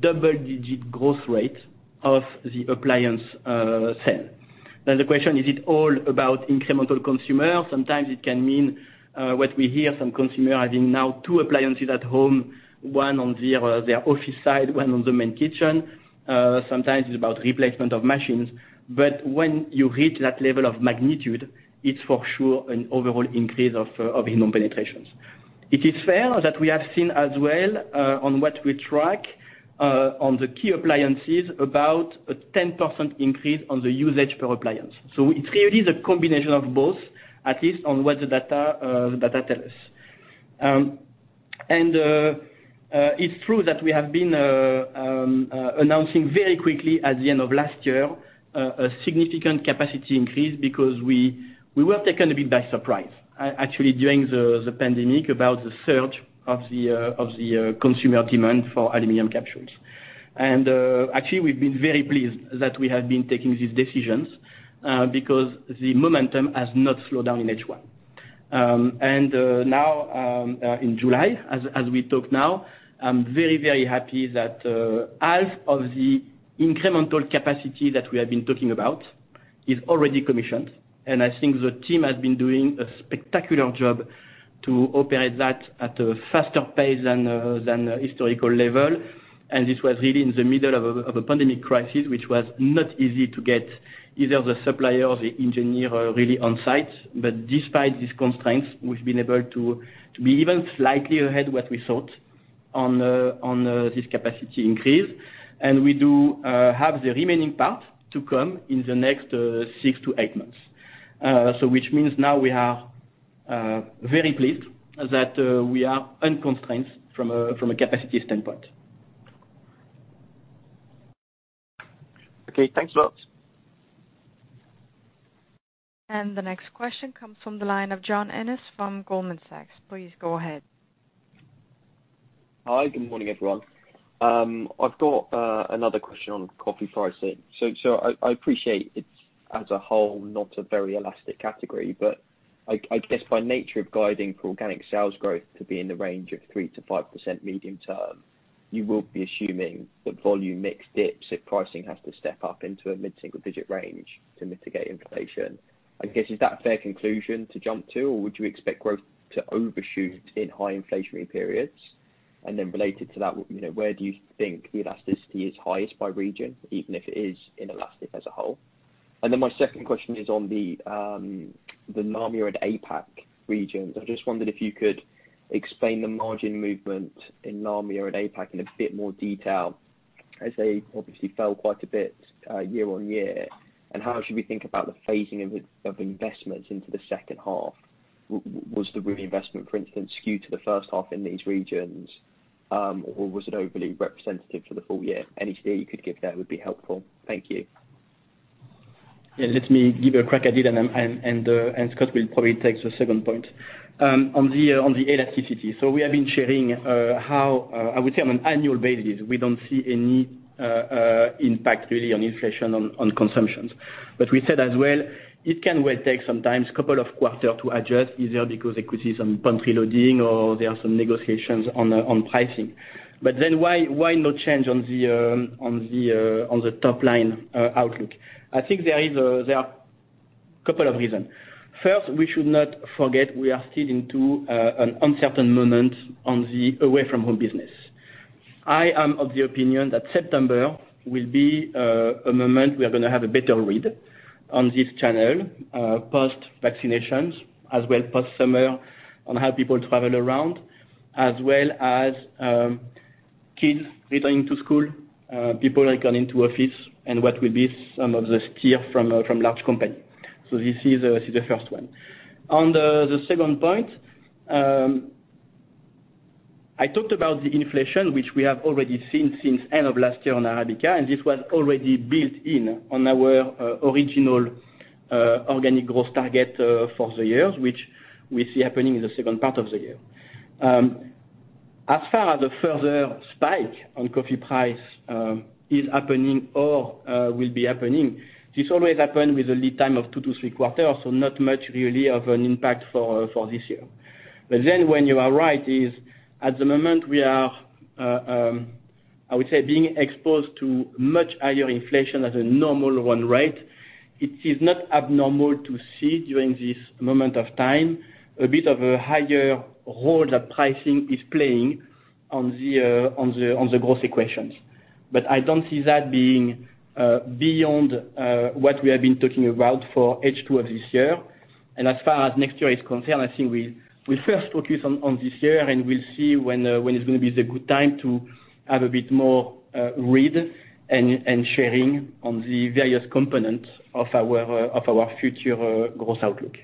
Speaker 3: double-digit growth rate of the appliance sale. The question, is it all about incremental consumer? Sometimes it can mean what we hear, some consumer having now two appliances at home, one on their office side, one on the main kitchen. Sometimes it's about replacement of machines. When you hit that level of magnitude, it's for sure an overall increase of home penetrations. It is fair that we have seen as well, on what we track, on the key appliances, about a 10% increase on the usage per appliance. It's really the combination of both, at least on what the data tell us. It's true that we have been announcing very quickly at the end of last year, a significant capacity increase because we were taken a bit by surprise, actually, during the pandemic about the surge of the consumer demand for aluminum capsules. Actually, we've been very pleased that we have been taking these decisions, because the momentum has not slowed down in H1. Now, in July, as we talk now, I'm very, very happy that half of the incremental capacity that we have been talking about is already commissioned. I think the team has been doing a spectacular job to operate that at a faster pace than the historical level. This was really in the middle of a pandemic crisis, which was not easy to get either the supplier or the engineer really on site. Despite these constraints, we've been able to be even slightly ahead what we thought on this capacity increase. We do have the remaining part to come in the next six to eight months. Which means now we are very pleased that we are unconstrained from a capacity standpoint.
Speaker 8: Okay, thanks a lot.
Speaker 1: The next question comes from the line of John Ennis from Goldman Sachs. Please go ahead.
Speaker 9: Hi. Good morning, everyone. I've got another question on coffee pricing. I appreciate it's as a whole, not a very elastic category. I guess by nature of guiding for organic sales growth to be in the range of 3%-5% medium term, you will be assuming that Volume /Mix dips if pricing has to step up into a mid-single digit range to mitigate inflation. I guess, is that a fair conclusion to jump to, or would you expect growth to overshoot in high inflationary periods? And related to that, where do you think the elasticity is highest by region, even if it is inelastic as a whole? My second question is on the LARMEA and APAC regions. I just wondered if you could explain the margin movement in LARMEA or APAC in a bit more detail, as they obviously fell quite a bit year-on-year. How should we think about the phasing of investments into the second half? Was the reinvestment, for instant, skewed to the first half in these regions? Was it overly representative for the full year? Any detail you could give there would be helpful. Thank you.
Speaker 3: Yeah, let me give a crack at it, and Scott will probably take the second point. On the elasticity. We have been sharing how, I would say on an annual basis, we don't see any impact really on inflation on consumptions. We said as well, it can well take some times, couple of quarter to adjust, either because there could be some pantry reloading or there are some negotiations on pricing. But then, why no change on the top line outlook? I think there are couple of reason. First, we should not forget we are still into an uncertain moment on the Away-from-Home business. I am of the opinion that September will be a moment we are going to have a better read on this channel, post-vaccinations, as well post-summer, on how people travel around, as well as kids returning to school, people are coming to office and what will be some of the steer from large company. So you see, this is the first one. On the second point, I talked about the inflation, which we have already seen since end of last year on Arabica, and this was already built in on our original organic growth target for the year, which we see happening in the second part of the year. As far as a further spike on coffee price is happening or will be happening, this always happen with a lead time of two to three quarters, so not much really of an impact for this year. When you are right is, at the moment we are, I would say, being exposed to much higher inflation at a normal run rate. It is not abnormal to see during this moment of time, a bit of a higher role the pricing is playing on the growth equations. But I don't see that being beyond what we have been talking about for H2 of this year. As far as next year is concerned, I think we'll first focus on this year, and we'll see when it's going to be the good time to have a bit more read and sharing on the various components of our future growth outlook.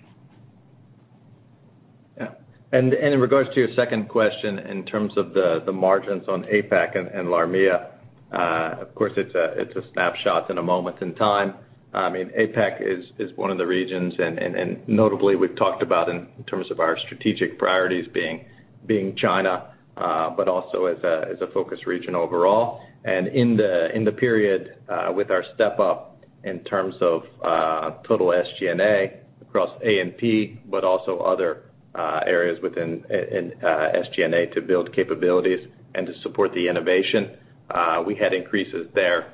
Speaker 4: Yeah. In regards to your second question in terms of the margins on APAC and LARMEA, of course, it's a snapshot in a moment in time. APAC is one of the regions, and notably, we've talked about in terms of our strategic priorities being China. But also as a focus region overall. In the period with our step-up in terms of total SG&A across A&P, but also other areas within SG&A to build capabilities and to support the innovation, we had increases there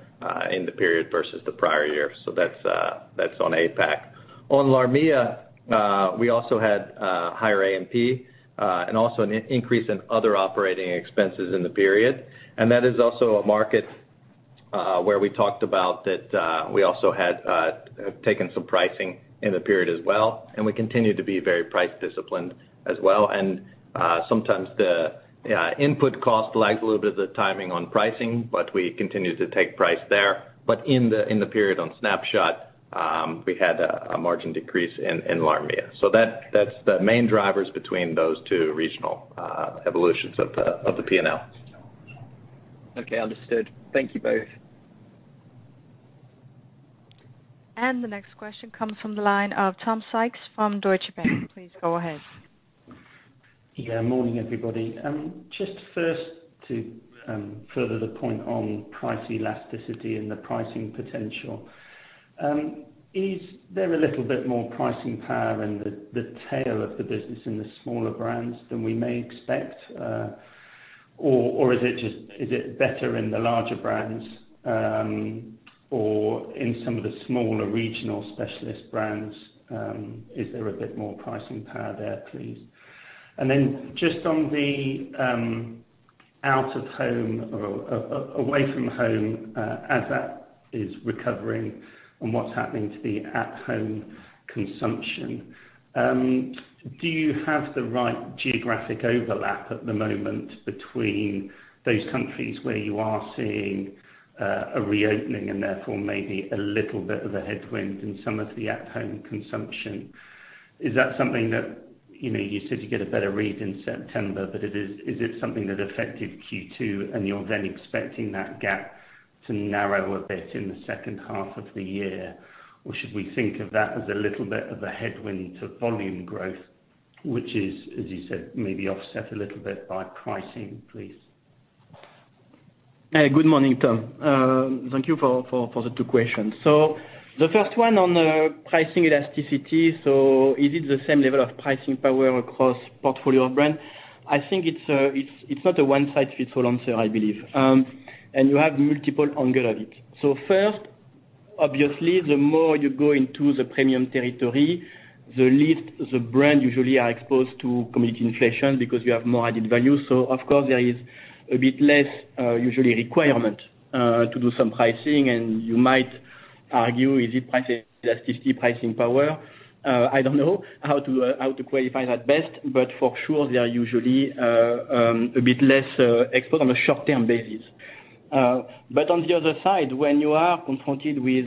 Speaker 4: in the period versus the prior year. That is on APAC. On LARMEA, we also had higher A&P and also an increase in other operating expenses in the period. That is also a market where we talked about that we also had taken some pricing in the period as well, and we continue to be very price disciplined as well. Sometimes the input cost lags a little bit of the timing on pricing, but we continue to take price there. In the period on snapshot, we had a margin decrease in LARMEA. That's the main drivers between those two regional evolutions of the P&L.
Speaker 9: Okay, understood. Thank you both.
Speaker 1: And the next question comes from the line of Tom Sykes from Deutsche Bank. Please go ahead.
Speaker 10: Yeah, morning everybody. Just first to further the point on price elasticity and the pricing potential. Is there a little bit more pricing power in the tail of the business in the smaller brands than we may expect? Is it better in the larger brands, or in some of the smaller regional specialist brands, is there a bit more pricing power there, please? Just on the Out-of-Home or Away-from-Home, as that is recovering and what's happening to the at home consumption, do you have the right geographic overlap at the moment between those countries where you are seeing a reopening and therefore maybe a little bit of a headwind in some of the at home consumption? Is that something that, you said you get a better read in September, but is it something that affected Q2 and you're then expecting that gap to narrow a bit in the second half of the year? Should we think of that as a little bit of a headwind to volume growth, which is, as you said, maybe offset a little bit by pricing, please?
Speaker 3: Good morning, Tom. Thank you for the two questions. The first one on the pricing elasticity, is it the same level of pricing power across portfolio brand? I think it's not a one size fits all answer, I believe. You have multiple angle of it. First, obviously, the more you go into the premium territory, the least the brand usually are exposed to commodity inflation because you have more added value. Of course, there is a bit less, usually requirement, to do some pricing. You might argue, is it price elasticity, pricing power? I don't know how to qualify that best, but for sure they are usually a bit less exposed on a short-term basis. On the other side, when you are confronted with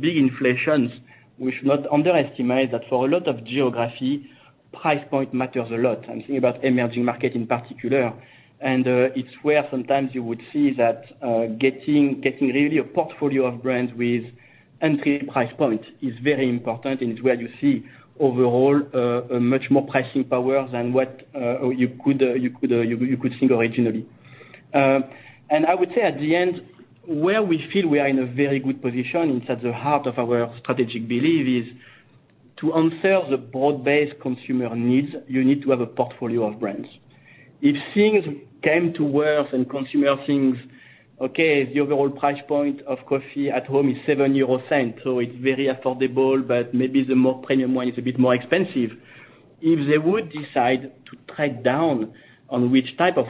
Speaker 3: big inflations, we should not underestimate that for a lot of geography, price point matters a lot. I'm thinking about emerging market in particular. It's where sometimes you would see that getting really a portfolio of brands with entry price point is very important, and it's where you see overall much more pricing power than what you could think originally. I would say at the end, where we feel we are in a very good position, it's at the heart of our strategic belief is to answer the broad-based consumer needs, you need to have a portfolio of brands. If things came to worse and consumer thinks, okay, the overall price point of coffee at home is 0.07, so it's very affordable, but maybe the more premium one is a bit more expensive. If they would decide to trade down on which type of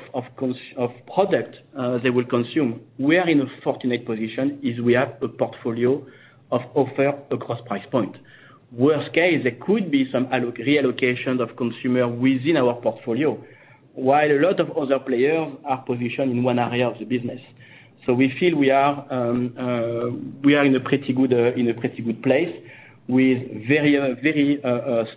Speaker 3: product they will consume, we are in a fortunate position is we have a portfolio of offer across price point. Worst case, there could be some reallocations of consumer within our portfolio, while a lot of other players are positioned in one area of the business. We feel we are in a pretty good place with very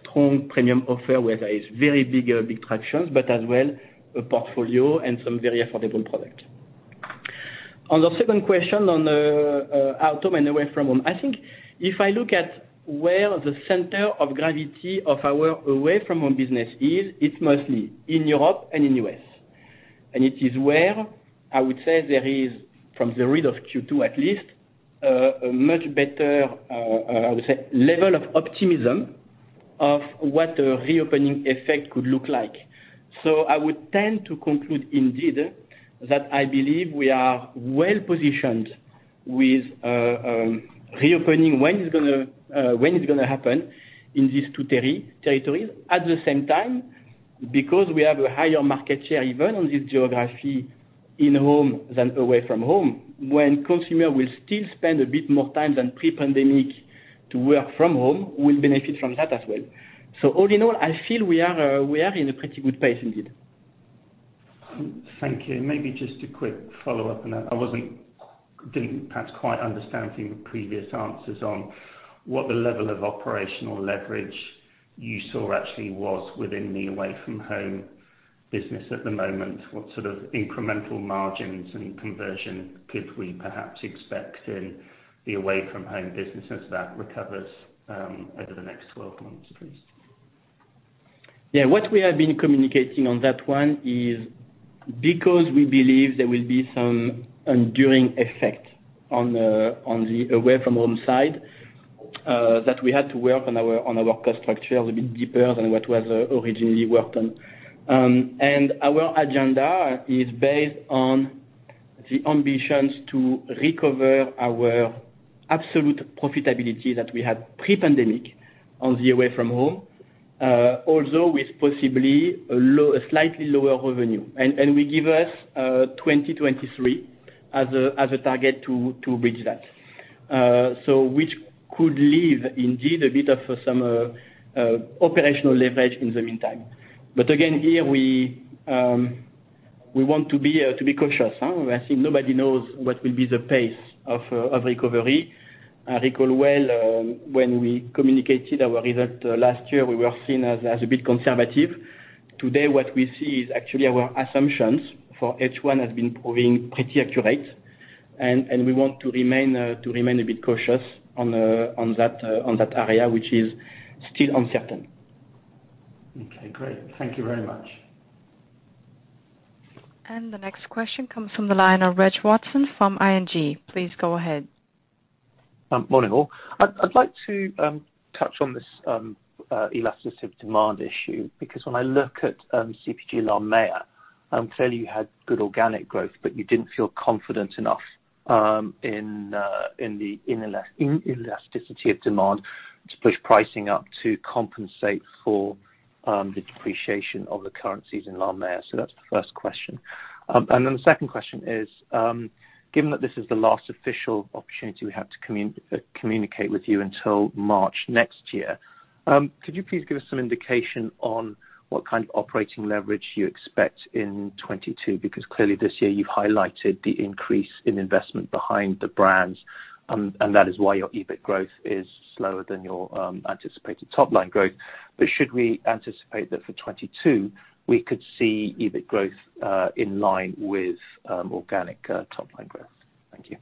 Speaker 3: strong premium offer where there is very big tractions, but as well, a portfolio and some very affordable product. On the second question on the Out-of-Home and Away-from-Home, I think if I look at where the center of gravity of our Away-from-Home business is, it's mostly in Europe and in the U.S. It is where I would say there is, from the read of Q2 at least, a much better I would say, level of optimism of what a reopening effect could look like. I would tend to conclude indeed, that I believe we are well-positioned with reopening when it's going to happen in these two territories. At the same time, because we have a higher market share even on this geography in home than Away-from-Home, when consumer will still spend a bit more time than pre-pandemic to work from home, we'll benefit from that as well. All in all, I feel we are in a pretty good place indeed.
Speaker 10: Thank you. Maybe just a quick follow-up on that. I didn't perhaps quite understand from your previous answers on what the level of operational leverage you saw actually was within the Away-from-Home business at the moment. What sort of incremental margins and conversion could we perhaps expect in the Away-from-Home business as that recovers over the next 12 months, please?
Speaker 3: Yeah. What we have been communicating on that one is because we believe there will be some enduring effect on the Away-from-Home side, that we had to work on our cost structure a bit deeper than what was originally worked on. Our agenda is based on the ambitions to recover our absolute profitability that we had pre-pandemic on the Away-from-Home, although with possibly a slightly lower revenue. We give us 2023 as a target to bridge that. Which could leave indeed a bit of some operational leverage in the meantime. But again, here we want to be cautious. I think nobody knows what will be the pace of recovery. I recall well, when we communicated our result last year, we were seen as a bit conservative. Today, what we see is actually our assumptions for H1 has been proving pretty accurate, and we want to remain a bit cautious on that area, which is still uncertain.
Speaker 10: Okay, great. Thank you very much.
Speaker 1: The next question comes from the line of Reg Watson from ING. Please go ahead.
Speaker 11: Morning, all. I'd like to touch on this elasticity of demand issue because when I look at CPG LAMEA, [inaudible] you had good organic growth, but you didn't feel confident enough in the elasticity of demand to push pricing up to compensate for the depreciation of the currencies in LAMEA. That's the first question. And the second question is, given that this is the last official opportunity we have to communicate with you until March next year, could you please give us some indication on what kind of operating leverage you expect in 2022? Clearly this year you've highlighted the increase in investment behind the brands, and that is why your EBIT growth is slower than your anticipated top line growth. Should we anticipate that for 2022, we could see EBIT growth in line with organic top line growth? Thank you.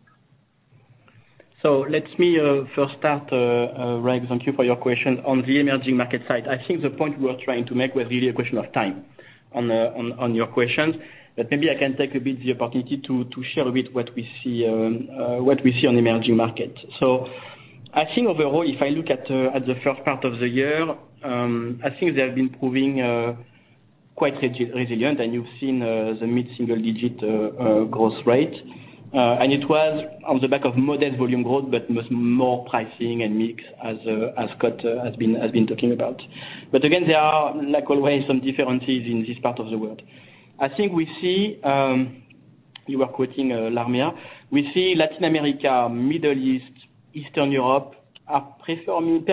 Speaker 3: Let me first start, Reg, thank you for your question, on the emerging market side. I think the point we were trying to make was really a question of time, on your question. Maybe I can take a bit the opportunity to share a bit what we see on emerging market. So I think, overall, if I look at the first part of the year, I think they have been proving quite resilient, and you've seen the mid-single digit growth rate. It was on the back of modest volume growth, but with more pricing and mix, as Scott has been talking about. Again, there are, like always, some differences in this part of the world. I think we see, you were quoting LAMEA. We see Latin America, Middle East, Eastern Europe, are performing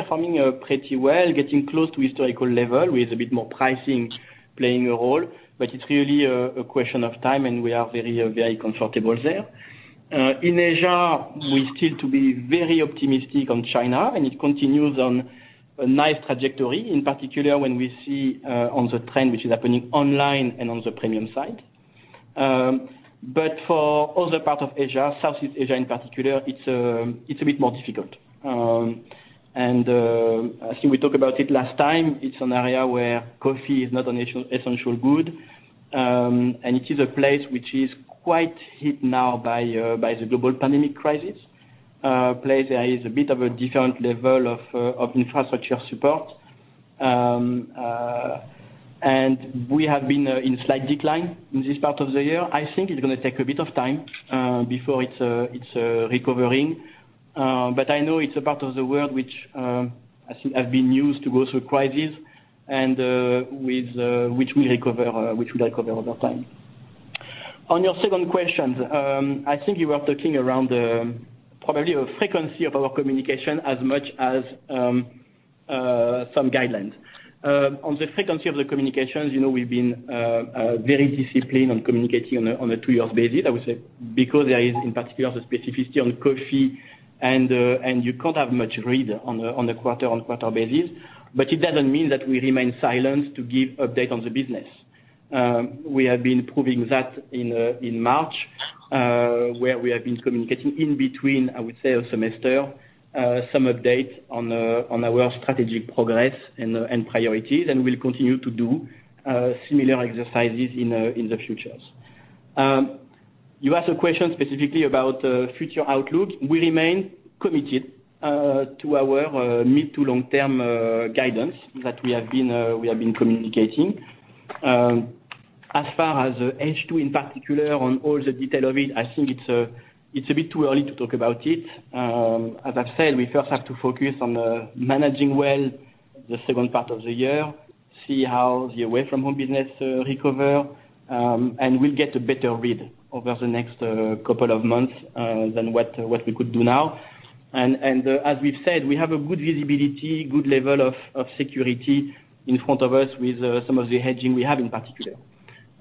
Speaker 3: pretty well, getting close to historical level with a bit more pricing playing a role. It's really a question of time, and we are very comfortable there. In Asia, we still to be very optimistic on China, and it continues on a nice trajectory, in particular when we see on the trend which is happening online and on the premium side. For other parts of Asia, South East Asia in particular, it's a bit more difficult. I think we talked about it last time, it's an area where coffee is not an essential good. It is a place which is quite hit now by the global pandemic crisis. A place that is a bit of a different level of infrastructure support. We have been in slight decline in this part of the year. I think it's going to take a bit of time before it's recovering. I know it's a part of the world which has been used to go through crises and which will recover over time. On your second question, I think you were talking around probably the frequency of our communication as much as some guidelines. On the frequency of the communications, we've been very disciplined on communicating on a two years basis, I would say, because there is in particular the specificity on coffee and you can't have much read on a quarter-on-quarter basis. It doesn't mean that we remain silent to give update on the business. We have been proving that in March, where we have been communicating in between, I would say, a semester, some updates on our strategic progress and priorities, and we'll continue to do similar exercises in the futures. You asked a question specifically about future outlook. We remain committed to our mid to long-term guidance that we have been communicating. As far as H2 in particular, on all the detail of it, I think it's a bit too early to talk about it. As I've said, we first have to focus on managing well the second part of the year, see how the Away-from-Home business recover, we'll get a better read over the next couple of months than what we could do now. As we've said, we have a good visibility, good level of security in front of us with some of the hedging we have in particular.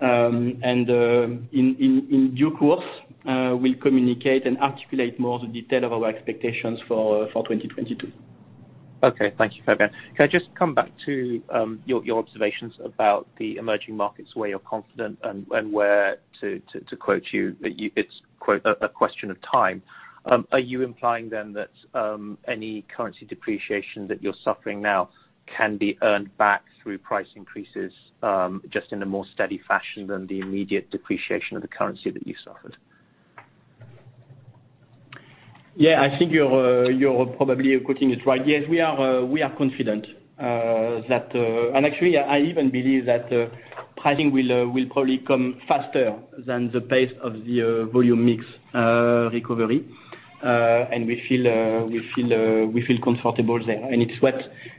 Speaker 3: In due course, we'll communicate and articulate more of the detail of our expectations for 2022.
Speaker 11: Okay. Thank you, Fabien. Can I just come back to your observations about the emerging markets where you're confident and where, to quote you, that it's a question of time. Are you implying that any currency depreciation that you're suffering now can be earned back through price increases, just in a more steady fashion than the immediate depreciation of the currency that you suffered?
Speaker 3: Yeah, I think you're probably putting it right. Yes, we are confident. Actually, I even believe that pricing will probably come faster than the pace of the Volume/Mix recovery. We feel comfortable there. It's what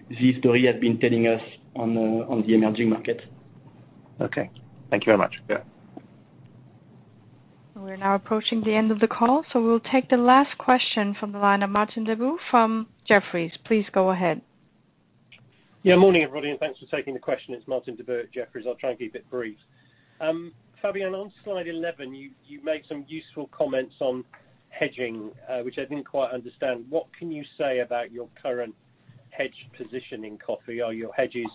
Speaker 3: this story has been telling us on the emerging market.
Speaker 11: Okay. Thank you very much. Yeah.
Speaker 1: We're now approaching the end of the call, so we'll take the last question from the line of Martin Deboo from Jefferies. Please go ahead.
Speaker 12: Morning, everybody, thanks for taking the question. It's Martin Deboo, Jefferies. I'll try and keep it brief. Fabien, on slide 11, you made some useful comments on hedging, which I didn't quite understand. What can you say about your current hedge position in coffee? Are your hedges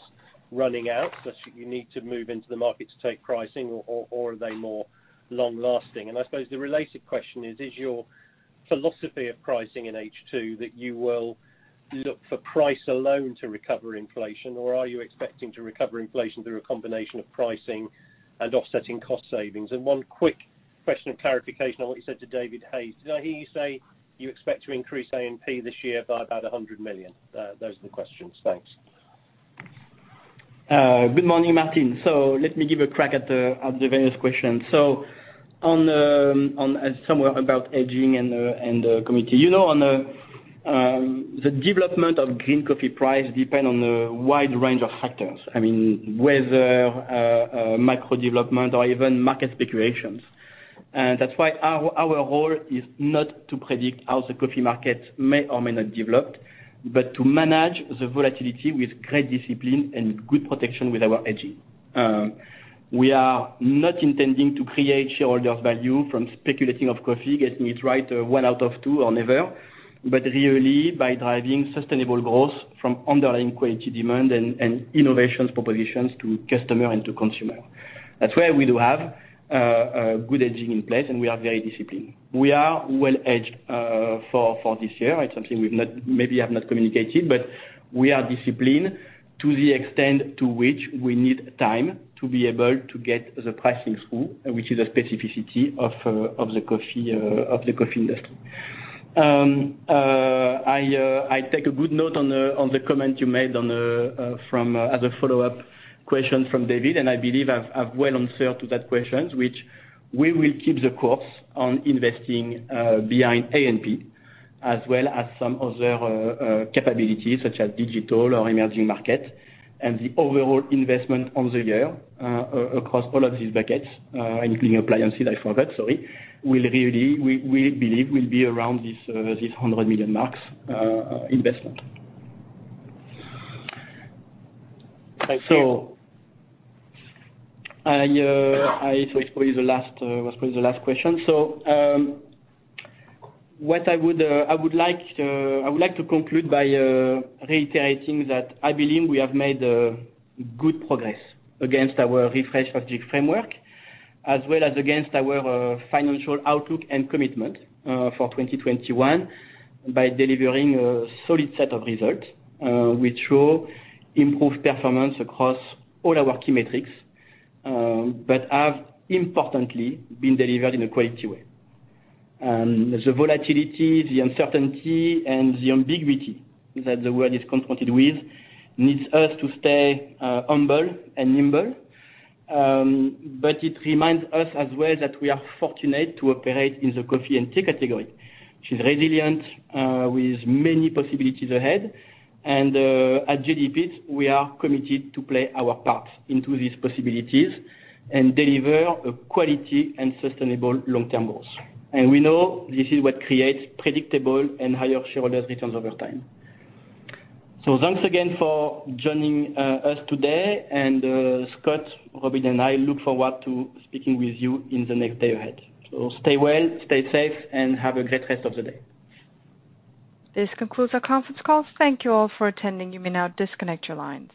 Speaker 12: running out such that you need to move into the market to take pricing, or are they more long-lasting? I suppose the related question is your philosophy of pricing in H2 that you will look for price alone to recover inflation, or are you expecting to recover inflation through a combination of pricing and offsetting cost savings? One quick question of clarification on what you said to David Hayes. Did I hear you say you expect to increase A&P this year by about 100 million? Those are the questions. Thanks.
Speaker 3: Good morning, Martin. Let me give a crack at the various questions. Somewhere about hedging and the committee. You know the development of green coffee price depend on a wide range of factors. I mean, whether micro development or even market speculations. That's why our role is not to predict how the coffee market may or may not develop, but to manage the volatility with great discipline and good protection with our hedging. We are not intending to create shareholder value from speculating of coffee, getting it right one out oftwo or never, but really by driving sustainable growth from underlying quality demand and innovation propositions to customer and to consumer. That's why we do have good hedging in place, and we are very disciplined. We are well hedged for this year. It's something we maybe have not communicated, but we are disciplined to the extent to which we need time to be able to get the pricing through, which is a specificity of the coffee industry. I take a good note on the comment you made as a follow-up question from David, and I believe I've well answered to that questions, which we will keep the course on investing behind A&P, as well as some other capabilities such as digital or emerging market and the overall investment on the year across all of these buckets, including appliances, I forgot, sorry, we believe will be around this, 100 million investment.
Speaker 12: Thank you.
Speaker 3: It was probably the last question. I would like to conclude by reiterating that I believe we have made good progress against our refreshed strategic framework, as well as against our financial outlook and commitment for 2021 by delivering a solid set of results, which show improved performance across all our key metrics, but have importantly been delivered in a quality way. The volatility, the uncertainty, and the ambiguity that the world is confronted with needs us to stay humble and nimble. It reminds us as well that we are fortunate to operate in the coffee and tea category. It's resilient with many possibilities ahead, and at JDE Peet's, we are committed to play our part into these possibilities and deliver a quality and sustainable long-term goals. We know this is what creates predictable and higher shareholders returns over time. Thanks again for joining us today. Scott, Robin, and I look forward to speaking with you in the next day ahead. Stay well, stay safe, and have a great rest of the day.
Speaker 1: This concludes our conference call. Thank you all for attending. You may now disconnect your lines.